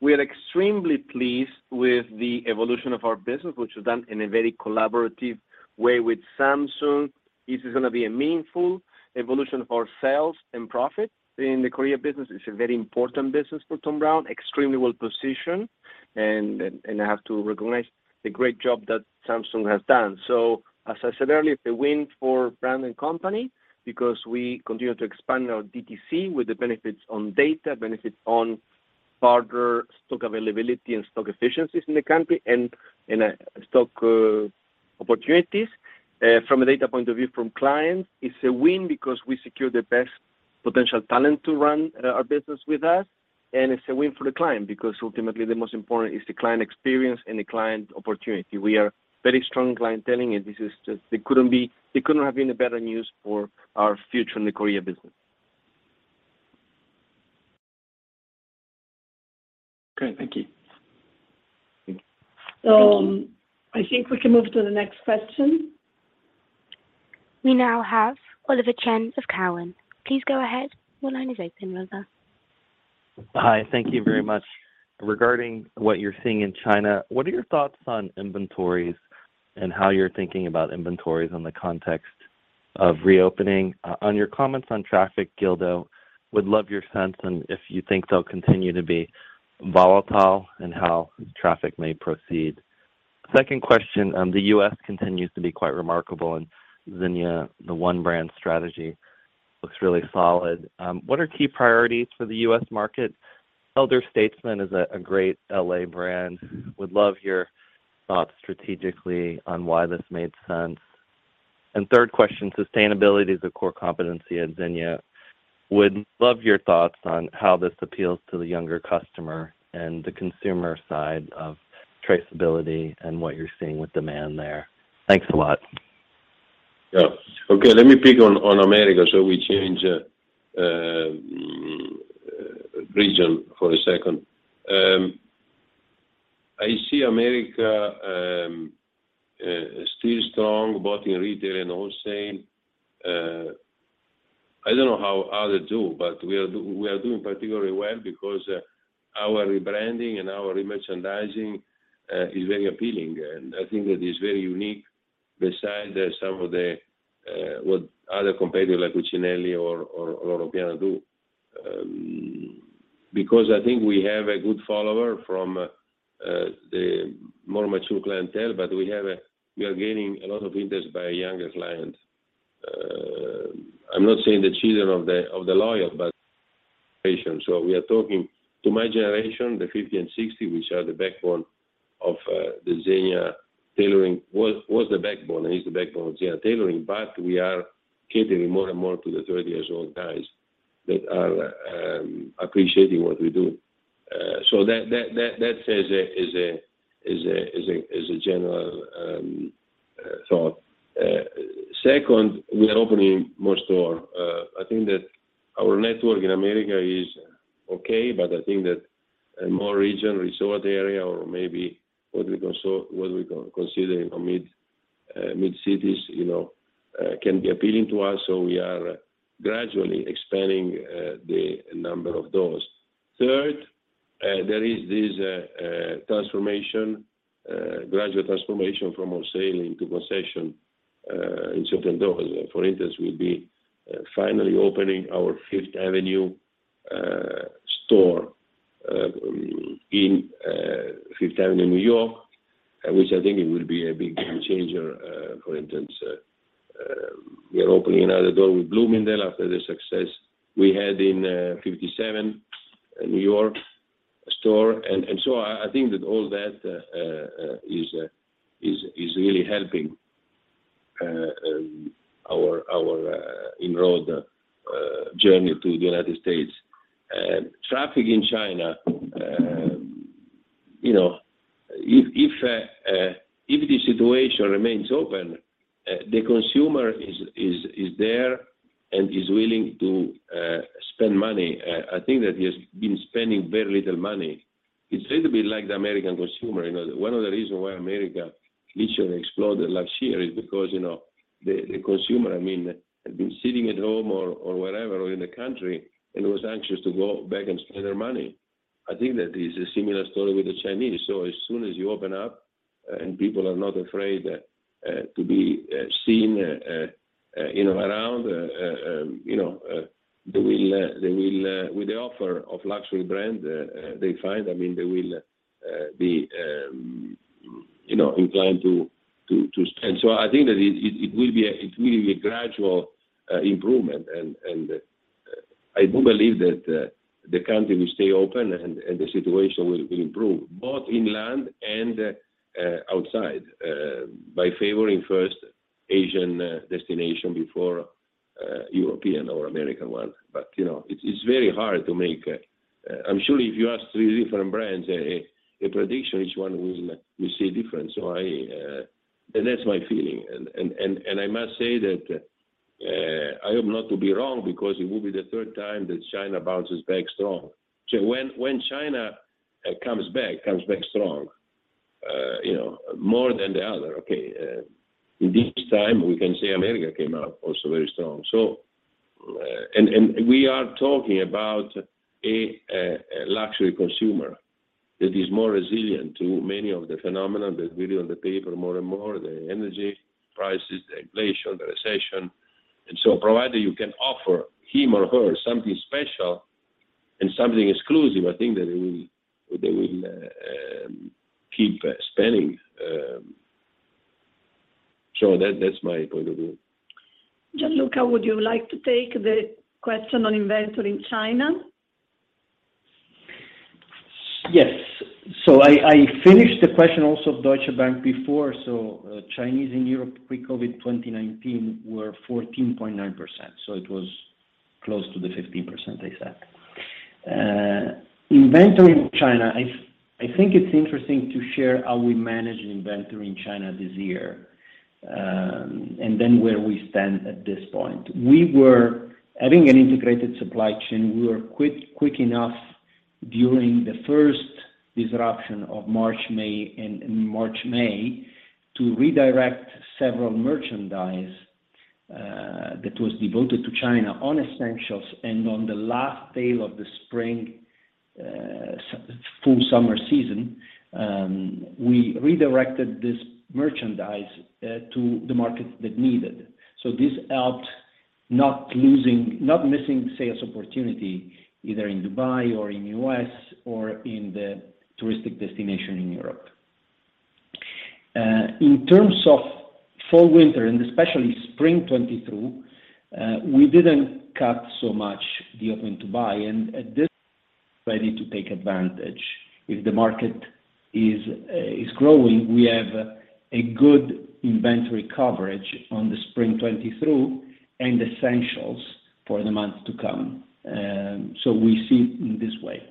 We are extremely pleased with the evolution of our business, which was done in a very collaborative way with Samsung. This is gonna be a meaningful evolution of our sales and profit in the Korea business. It's a very important business for Thom Browne, extremely well-positioned, and I have to recognize the great job that Samsung has done. As I said earlier, it's a win for brand and company because we continue to expand our DTC with the benefits on data, benefits on farther stock availability and stock efficiencies in the country, and stock opportunities. From a data point of view from clients, it's a win because we secure the best potential talent to run our business with us, and it's a win for the client because ultimately the most important is the client experience and the client opportunity. We are very strong clienteling, and this is just. It couldn't have been a better news for our future in the Korea business. Great. Thank you. I think we can move to the next question. We now have Oliver Chen of Cowen. Please go ahead. Your line is open, Oliver. Hi. Thank you very much. Regarding what you're seeing in China, what are your thoughts on inventories and how you're thinking about inventories in the context of reopening? On your comments on traffic, Gildo, would love your sense on if you think they'll continue to be volatile and how traffic may proceed. Second question, the U.S. continues to be quite remarkable, and Zegna, the One Brand strategy looks really solid. What are key priorities for the U.S. market? Elder Statesman is a great L.A. brand. Would love your thoughts strategically on why this made sense. Third question, sustainability is a core competency at Zegna. Would love your thoughts on how this appeals to the younger customer and the consumer side of traceability and what you're seeing with demand there. Thanks a lot. Yeah. Okay. Let me pick on America we change region for a second. I see America still strong, both in retail and wholesale. I don't know how other do, we are doing particularly well because our rebranding and our remerchandising is very appealing. I think it is very unique beside some of the what other competitor like Buccellati or Loro Piana do. Because I think we have a good follower from the more mature clientele, we are gaining a lot of interest by a younger client. I'm not saying the children of the loyal, patient. We are talking to my generation, the 50% and 60%, which are the backbone of the Zegna tailoring, was the backbone and is the backbone of Zegna tailoring, but we are catering more and more to the 30 years old guys that are appreciating what we do. That says a, is a general thought. Second, we are opening more store. I think that our network in America is okay, but I think that a more regional resort area or maybe what we considering a mid cities, you know, can be appealing to us, so we are gradually expanding the number of those. Third, there is this transformation, gradual transformation from on sale into concession in certain doors. For instance, we'll be finally opening our Fifth Avenue store in Fifth Avenue, New York, which I think it will be a big game changer. For instance, we are opening another door with Bloomingdale's after the success we had in 57 New York store. I think that all that is really helping our enrolled journey to the United States. Traffic in China, you know, if the situation remains open, the consumer is there and is willing to spend money, I think that he has been spending very little money. It's a little bit like the American consumer, you know. One of the reason why America literally exploded last year is because, you know, the consumer, I mean, had been sitting at home or wherever in the country and was anxious to go back and spend their money. I think that is a similar story with the Chinese. As soon as you open up and people are not afraid to be seen, you know, around, you know, they will. With the offer of luxury brand they find, I mean, they will be, you know, inclined to spend. I think that it will be a gradual improvement. I do believe that the country will stay open and the situation will improve both in land and outside by favoring first Asian destination before European or American one. You know, it's very hard to make. I'm sure if you ask three different brands a prediction, each one will say different. I. That's my feeling. I must say that I hope not to be wrong because it will be the third time that China bounces back strong. When China comes back strong, you know, more than the other, okay. This time we can say America came out also very strong. We are talking about a luxury consumer that is more resilient to many of the phenomenon that we read on the paper more and more, the energy prices, the inflation, the recession. Provided you can offer him or her something special and something exclusive, I think that they will keep spending. That's my point of view. Gianluca, would you like to take the question on inventory in China? Yes. I finished the question also of Deutsche Bank before. Chinese in Europe pre-COVID 2019 were 14.9%, so it was close to the 15% they said. Inventory in China, I think it's interesting to share how we manage inventory in China this year, and then where we stand at this point. Having an integrated supply chain, we were quick enough during the first disruption of March, May, and March, May, to redirect several merchandise that was devoted to China on essentials. On the last day of the spring, full summer season, we redirected this merchandise to the markets that need it. This helped not losing, not missing sales opportunity, either in Dubai or in U.S. or in the touristic destination in Europe. In terms of fall, winter, and especially spring 2023, we didn't cut so much the Open to Buy. At this, ready to take advantage. If the market is growing, we have a good inventory coverage on the spring 2023 and essentials for the months to come. We see it in this way.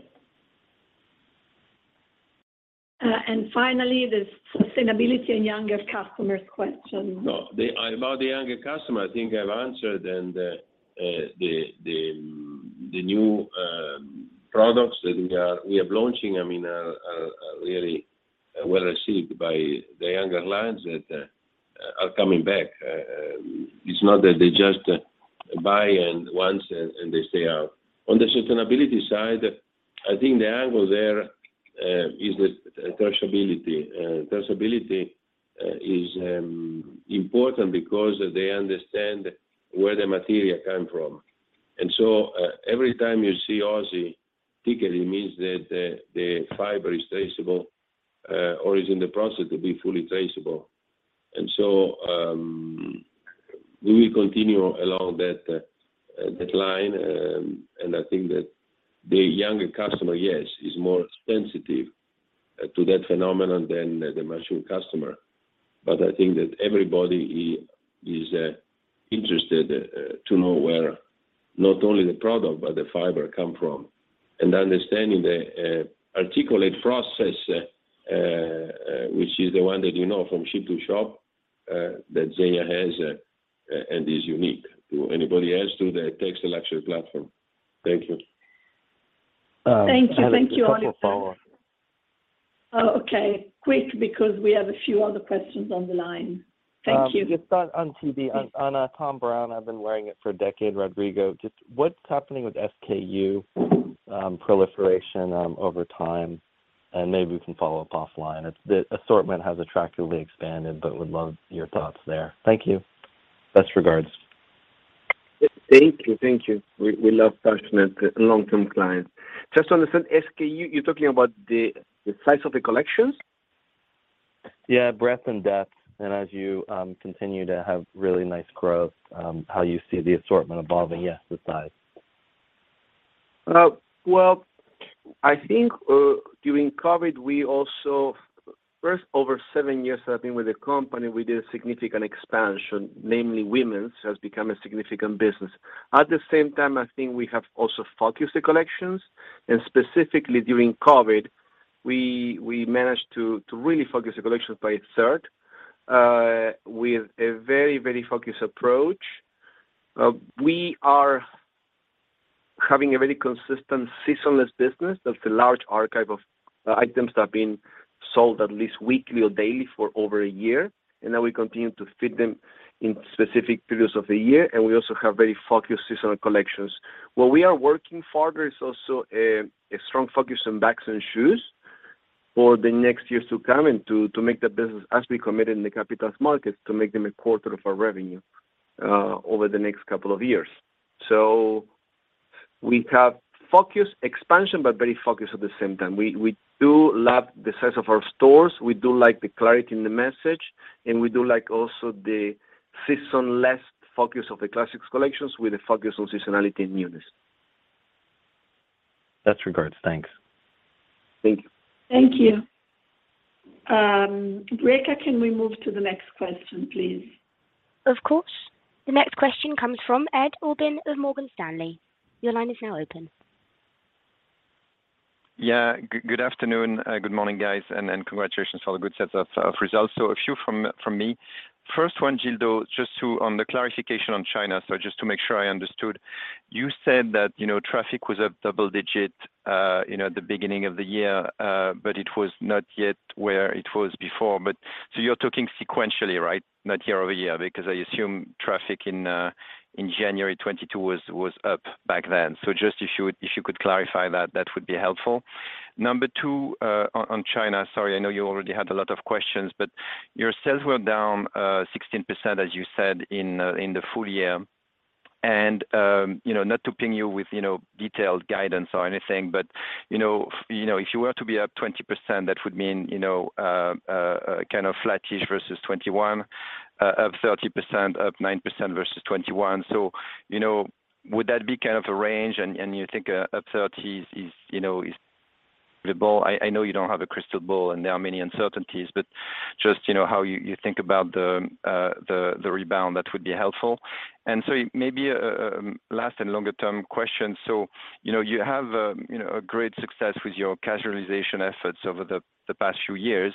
Finally, the sustainability and younger customers question. No. About the younger customer, I think I've answered and the new products that we are launching, I mean, are really well received by the younger clients that are coming back. It's not that they just buy once and they stay out. On the sustainability side, I think the angle there is the traceability. Traceability is important because they understand where the material come from. Every time you see Oasi ticket, it means that the fiber is traceable or is in the process to be fully traceable. We will continue along that line. I think that the younger customer, yes, is more sensitive to that phenomenon than the mature customer. I think that everybody is interested to know where not only the product but the fiber come from. understanding the articulate process which is the one that you know from ship to shop. That Zegna has and is unique to anybody else to the textile luxury platform. Thank you. I have a couple follow-up. Thank you. Thank you, follow-up. Okay. Quick, because we have a few other questions on the line. Thank you. Just on Thom Browne, I've been wearing it for a decade, Rodrigo. Just what's happening with SKU proliferation over time, and maybe we can follow up offline? The assortment has attractively expanded, but would love your thoughts there. Thank you. Best regards. Thank you. Thank you. We love passionate long-term clients. Just to understand, SKU, you're talking about the size of the collections? Breadth and depth, as you continue to have really nice growth, how you see the assortment evolving? Yeah, the size. First, over seven years I've been with the company, we did a significant expansion, namely women's has become a significant business. At the same time, I think we have also focused the collections, and specifically during COVID, we managed to really focus the collections by a third with a very, very focused approach. We are having a very consistent seasonless business. That's a large archive of items that have been sold at least weekly or daily for over a year, and then we continue to fit them in specific periods of the year, and we also have very focused seasonal collections. What we are working farther is also a strong focus on bags and shoes for the next years to come to make that business, as we committed in the capitals markets, to make them a quarter of our revenue over the next couple of years. We have focused expansion, but very focused at the same time. We do love the size of our stores. We do like the clarity in the message. We do like also the season-less focus of the classics collections with a focus on seasonality and newness. Best regards. Thanks. Thank you. Thank you. Breca, can we move to the next question, please? Of course. The next question comes from Ed Aubin of Morgan Stanley. Your line is now open. Good, good afternoon. Good morning, guys. Congratulations for the good sets of results. A few from me. First one, Gildo, just on the clarification on China. Just to make sure I understood, you said that, you know, traffic was up double-digit, you know, at the beginning of the year, but it was not yet where it was before. You're talking sequentially, right? Not year-over-year, because I assume traffic in January 2022 was up back then. Just if you would, if you could clarify that would be helpful. Number two, on China, sorry, I know you already had a lot of questions. Your sales were down 16%, as you said in the full year. You know, not to ping you with, you know, detailed guidance or anything, but, you know, if you were to be up 20%, that would mean, you know, kind of flattish versus 2021, up 30%, up 9% versus 2021. You know, would that be kind of a range and you think up 30% is, you know, is the ball. I know you don't have a crystal ball and there are many uncertainties, but just, you know, how you think about the rebound, that would be helpful. Maybe a last and longer term question. You know, you have, you know, a great success with your casualization efforts over the past few years.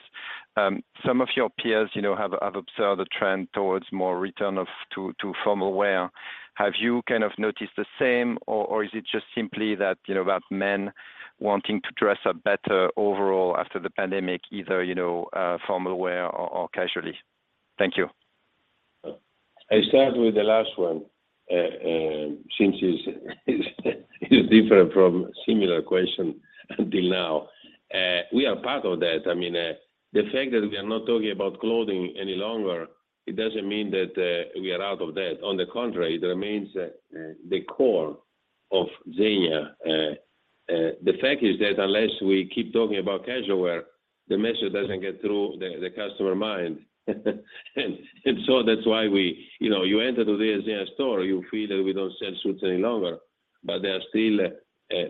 Some of your peers, you know, have observed a trend towards more return of to formal wear. Have you kind of noticed the same, or is it just simply that, you know, about men wanting to dress up better overall after the pandemic, either, you know, formal wear or casually? Thank you. I start with the last one, since it's different from similar question until now. We are part of that. I mean, the fact that we are not talking about clothing any longer, it doesn't mean that we are out of that. On the contrary, it remains the core of Zegna. The fact is that unless we keep talking about casual wear, the message doesn't get through the customer mind. You know, you enter today a Zegna store, you feel that we don't sell suits any longer, but there are still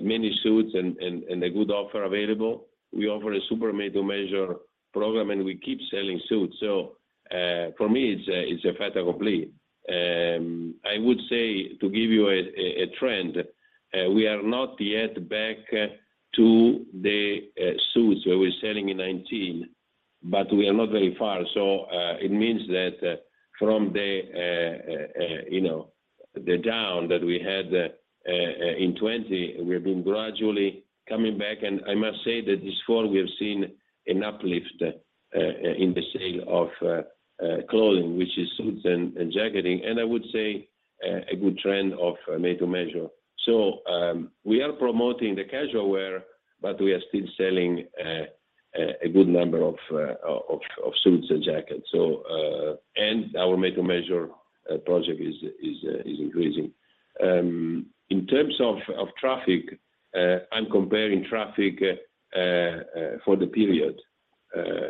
many suits and a good offer available. We offer a super Made-to-Measure program, and we keep selling suits. For me, it's a fait accompli. I would say to give you a trend, we are not yet back to the suits where we're selling in 2019, but we are not very far. It means that from the, you know, the down that we had in 2020, we have been gradually coming back. I must say that this fall we have seen an uplift in the sale of clothing, which is suits and jacketing, and I would say a good trend of Made-to-Measure. We are promoting the casual wear, but we are still selling a good number of suits and jackets. Our Made-to-Measure project is increasing. In terms of traffic, I'm comparing traffic for the period.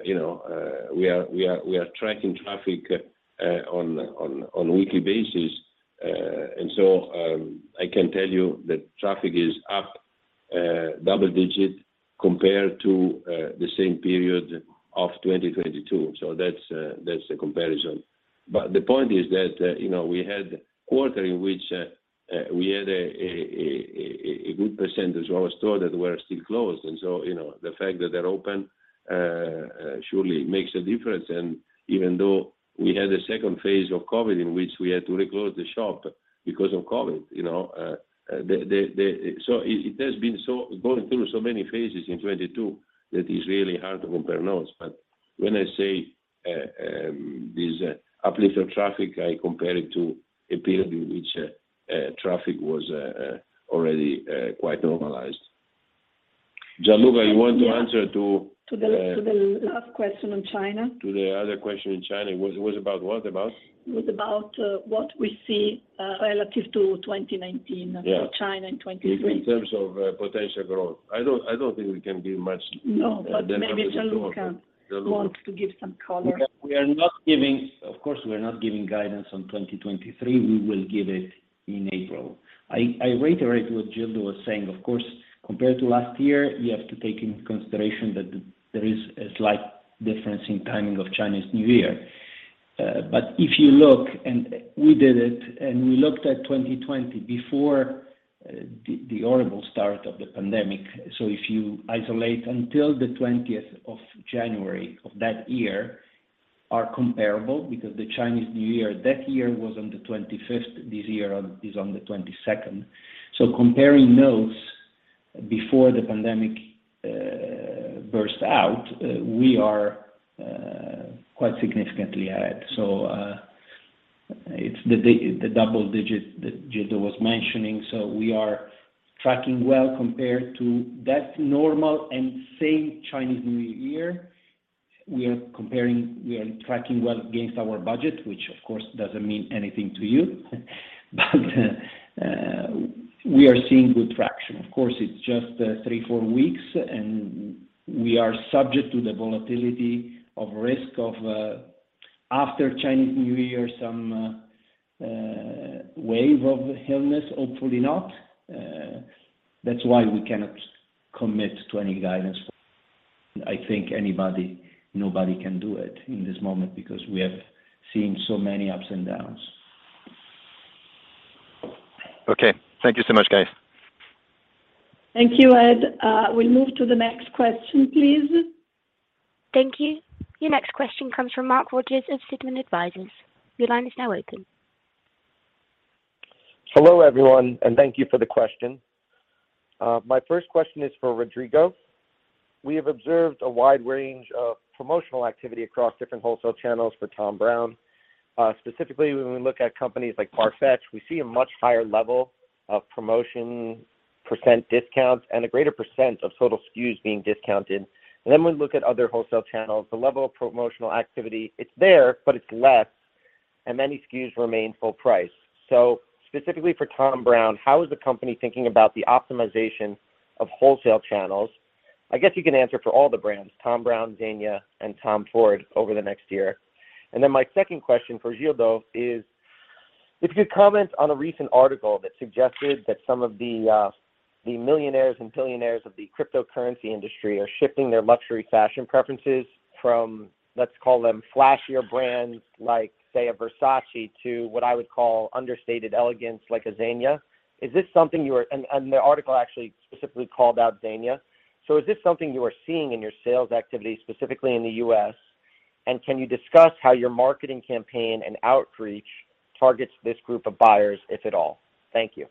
You know, we are tracking traffic on weekly basis. I can tell you that traffic is up double-digit compared to the same period of 2022. That's the comparison. The point is that, you know, we had a quarter in which we had a good percentage of our stores that were still closed. You know, the fact that they're open surely makes a difference. Even though we had a second phase of COVID in which we had to re-close the shop because of COVID, you know, the.. It has been going through so many phases in 22 that it's really hard to compare notes. When I say there's a uplift of traffic, I compare it to a period in which traffic was already quite normalized. Gianluca, you want to answer? To the last question on China. To the other question in China. It was about what? It was about, what we see, relative to 2019. Yeah. China in 2023. In terms of potential growth. I don't think we can give much No. Maybe Gianluca wants to give some color. Of course, we are not giving guidance on 2023. We will give it in April. I reiterate what Gildo was saying. Of course, compared to last year, you have to take into consideration that there is a slight difference in timing of Chinese New Year. If you look, and we did it, and we looked at 2020 before the horrible start of the pandemic. If you isolate until the 20th of January of that year, are comparable because the Chinese New Year that year was on the 25th. This year is on the 22nd. Comparing those before the pandemic burst out, we are quite significantly ahead. It's the double digit that Gildo was mentioning. We are tracking well compared to that normal and same Chinese New Year. We are comparing. We are tracking well against our budget, which of course doesn't mean anything to you. We are seeing good traction. Of course, it's just three, four weeks, and we are subject to the volatility of risk of after Chinese New Year, some wave of illness, hopefully not. That's why we cannot commit to any guidance. I think nobody can do it in this moment because we have seen so many ups and downs. Okay. Thank you so much, guys. Thank you, Ed. We move to the next question, please. Thank you. Your next question comes from Mark Rogers of Sidman Advisors. Your line is now open. Hello, everyone, thank you for the question. My first question is for Rodrigo. We have observed a wide range of promotional activity across different wholesale channels for Thom Browne. Specifically when we look at companies like Farfetch, we see a much higher level of promotion, % discounts, and a greater % of total SKUs being discounted. We look at other wholesale channels, the level of promotional activity, it's there, but it's less, and many SKUs remain full price. Specifically for Thom Browne, how is the company thinking about the optimization of wholesale channels? I guess you can answer for all the brands, Thom Browne, Zegna, and Tom Ford over the next year. My second question for Gildo is if you could comment on a recent article that suggested that some of the millionaires and billionaires of the cryptocurrency industry are shifting their luxury fashion preferences from, let's call them flashier brands, like say a Versace, to what I would call understated elegance like a Zegna. The article actually specifically called out Zegna. Is this something you are seeing in your sales activity, specifically in the U.S.? Can you discuss how your marketing campaign and outreach targets this group of buyers, if at all? Thank you.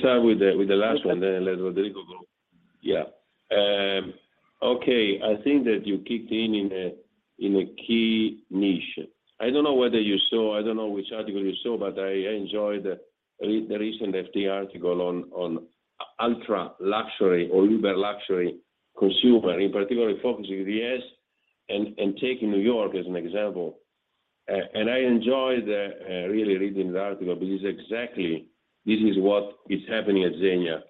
Start with the last one. Let Rodrigo go. Yeah. Okay. I think that you kicked in a key niche. I don't know which article you saw, but I enjoyed the recent FT article on ultra-luxury or uber-luxury consumer, in particular focusing the U.S. and taking New York as an example. I enjoyed really reading the article because exactly this is what is happening at Zegna.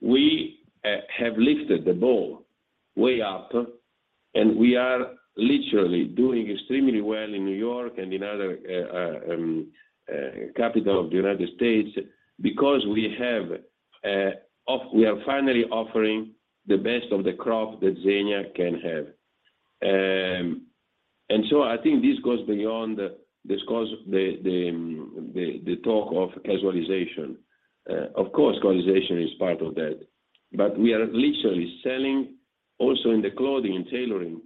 We have lifted the bar way up, we are literally doing extremely well in New York and in other capital of the United States because we are finally offering the best of the crop that Zegna can have. I think this goes beyond. This goes the talk of casualization. Of course, casualization is part of that. We are literally selling also in the clothing and tailoring.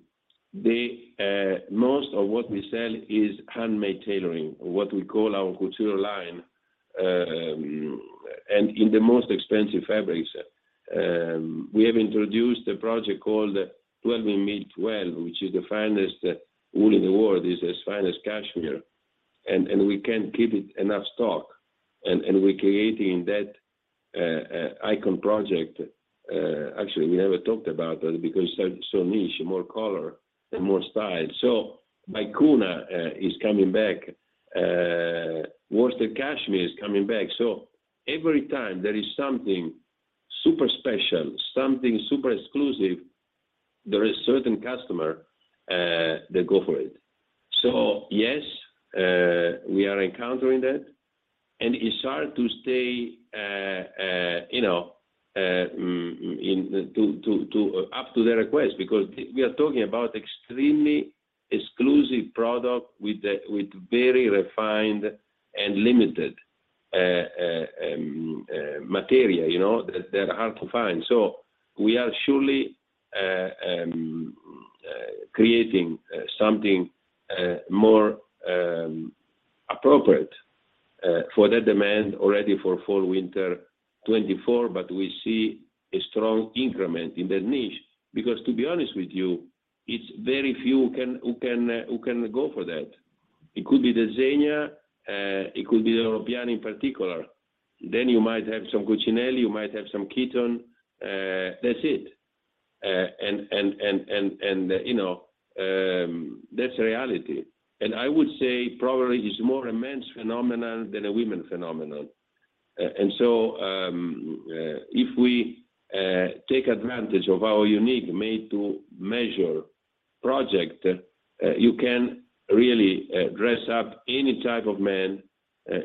The most of what we sell is handmade tailoring or what we call our couture line, and in the most expensive fabrics. We have introduced a project called 12milmil12, which is the finest wool in the world. It's as fine as cashmere, and we can't keep it enough stock. We're creating that icon project. Actually, we never talked about it because so niche, more color and more style. Vicuna is coming back. Worsted cashmere is coming back. Every time there is something super special, something super exclusive, there is certain customer that go for it. Yes, we are encountering that. And it's hard to stay, you know, up to the request because we are talking about extremely exclusive product with very refined and limited material, you know, that are hard to find. We are surely creating something more appropriate for that demand already for fall/winter 2024, but we see a strong increment in that niche. To be honest with you, it's very few who can go for that. It could be the Zegna, it could be the European in particular, you might have some Cucinelli, you might have some Kiton, that's it. And you know, that's the reality. I would say probably it's more a men's phenomenon than a women's phenomenon. If we take advantage of our unique Made-to-Measure project, you can really dress up any type of man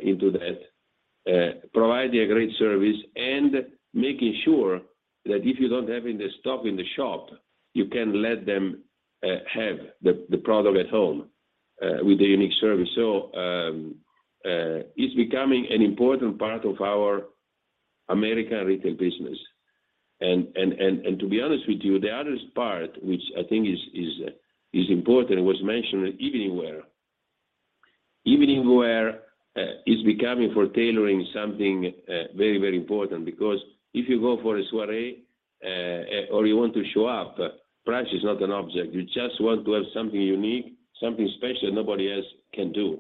into that, providing a great service and making sure that if you don't have any stock in the shop, you can let them have the product at home with the unique service. It's becoming an important part of our American retail business. To be honest with you, the other part which I think is important was mentioned, evening wear. Evening wear is becoming for tailoring something very, very important because if you go for a soiree or you want to show up, price is not an object. You just want to have something unique, something special nobody else can do.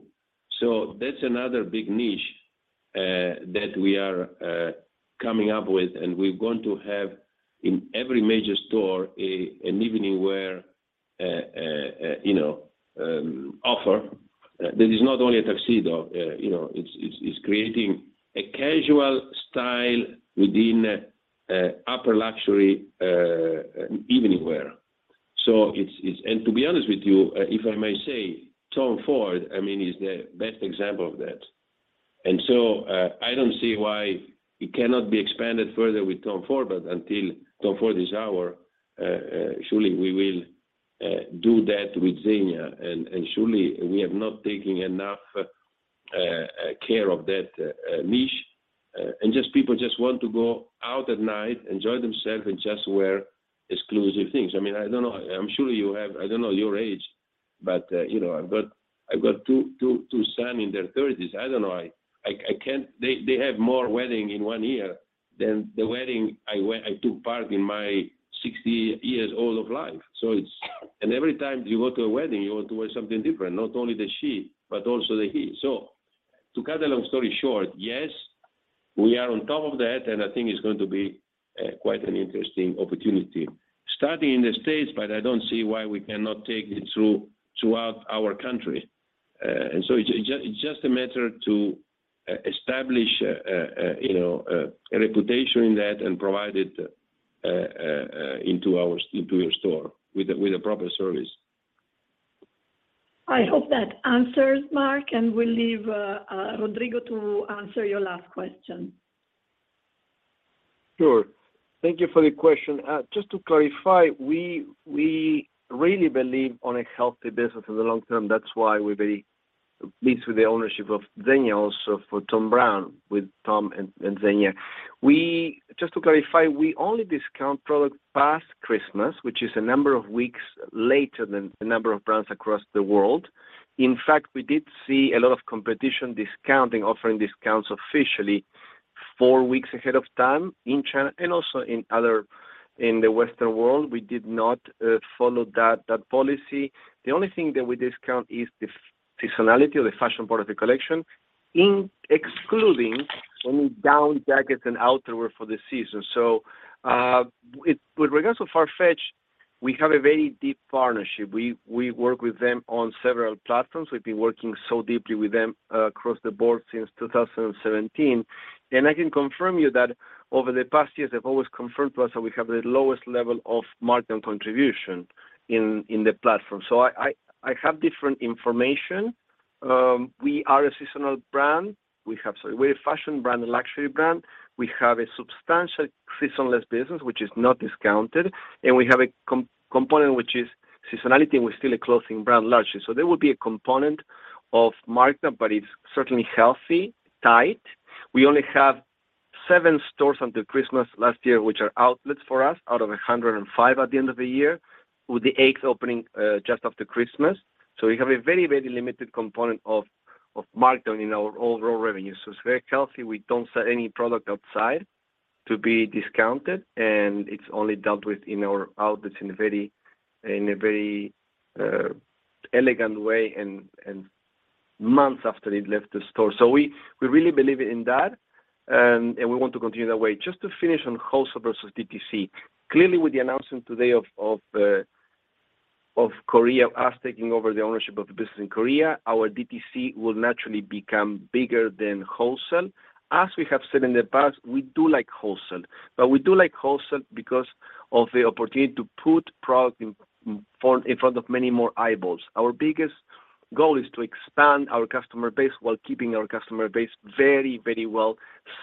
That's another big niche, that we are coming up with, and we're going to have in every major store an evening wear, you know, offer that is not only a tuxedo. You know, it's creating a casual style within upper luxury evening wear. It's... To be honest with you, if I may say, Tom Ford, I mean, is the best example of that. I don't see why it cannot be expanded further with Tom Ford, but until Tom Ford is our, surely we will do that with Zegna. Surely we have not taken enough care of that niche. Just people just want to go out at night, enjoy themselves, and just wear exclusive things. I mean, I don't know. I'm sure you have... I don't know your age, but, you know. I've got two sons in their thirties. I don't know. I can't... They have more wedding in one year than the wedding I took part in my 60 years all of life. It's... Every time you go to a wedding, you want to wear something different, not only the she, but also the he. To cut a long story short, yes, we are on top of that, and I think it's going to be quite an interesting opportunity. Starting in the States, but I don't see why we cannot take it throughout our country. It's just a matter to establish, you know, a reputation in that and provide it into your store with a proper service. I hope that answers, Mark, and we'll leave Rodrigo to answer your last question. Sure. Thank you for the question. Just to clarify, we really believe on a healthy business in the long term. That's why we very leads with the ownership of Zegna also for Thom Browne, with Thom and Zegna. Just to clarify, we only discount products past Christmas, which is a number of weeks later than a number of brands across the world. In fact, we did see a lot of competition discounting, offering discounts officially four weeks ahead of time in China and also in other, in the Western world. We did not follow that policy. The only thing that we discount is the seasonality of the fashion part of the collection in excluding only down jackets and outerwear for the season. With regards to Farfetch, we have a very deep partnership. We work with them on several platforms. We've been working so deeply with them across the board since 2017. I can confirm you that over the past years, they've always confirmed to us that we have the lowest level of markdown contribution in the platform. I have different information. We are a seasonal brand. We're a fashion brand and luxury brand. We have a substantial seasonless business which is not discounted, and we have a component which is seasonality, and we're still a clothing brand largely. There will be a component of markdown, but it's certainly healthy, tight. We only have seven stores until Christmas last year, which are outlets for us, out of 105 at the end of the year, with the 8th opening just after Christmas. We have a very, very limited component of markdown in our overall revenue. It's very healthy. We don't sell any product outside to be discounted, and it's only dealt with in our outlets in a very, very elegant way and months after it left the store. We really believe in that, and we want to continue that way. Just to finish on wholesale versus DTC. Clearly, with the announcement today of Korea, us taking over the ownership of the business in Korea, our DTC will naturally become bigger than wholesale. As we have said in the past, we do like wholesale, but we do like wholesale because of the opportunity to put product in front of many more eyeballs. Our biggest goal is to expand our customer base while keeping our customer base very, very well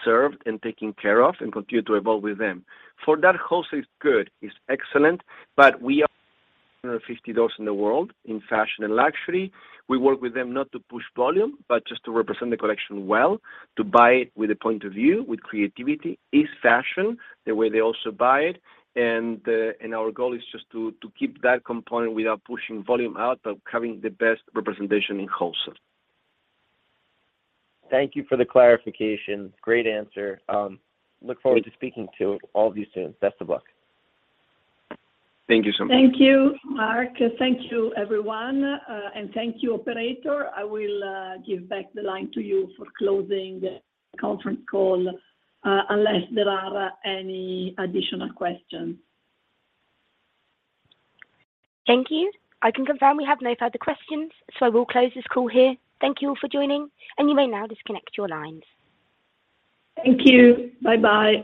served and taken care of and continue to evolve with them. For that, wholesale is good, it's excellent, but we are 150 doors in the world in fashion and luxury. We work with them not to push volume, but just to represent the collection well, to buy it with a point of view, with creativity, is fashion, the way they also buy it. Our goal is just to keep that component without pushing volume out, but having the best representation in wholesale. Thank you for the clarification. Great answer. Look forward to speaking to all of you soon. Best of luck. Thank you so much. Thank you, Mark. Thank you, everyone, thank you, operator. I will give back the line to you for closing the conference call, unless there are any additional questions. Thank you. I can confirm we have no further questions. I will close this call here. Thank you all for joining. You may now disconnect your lines. Thank you. Bye-bye.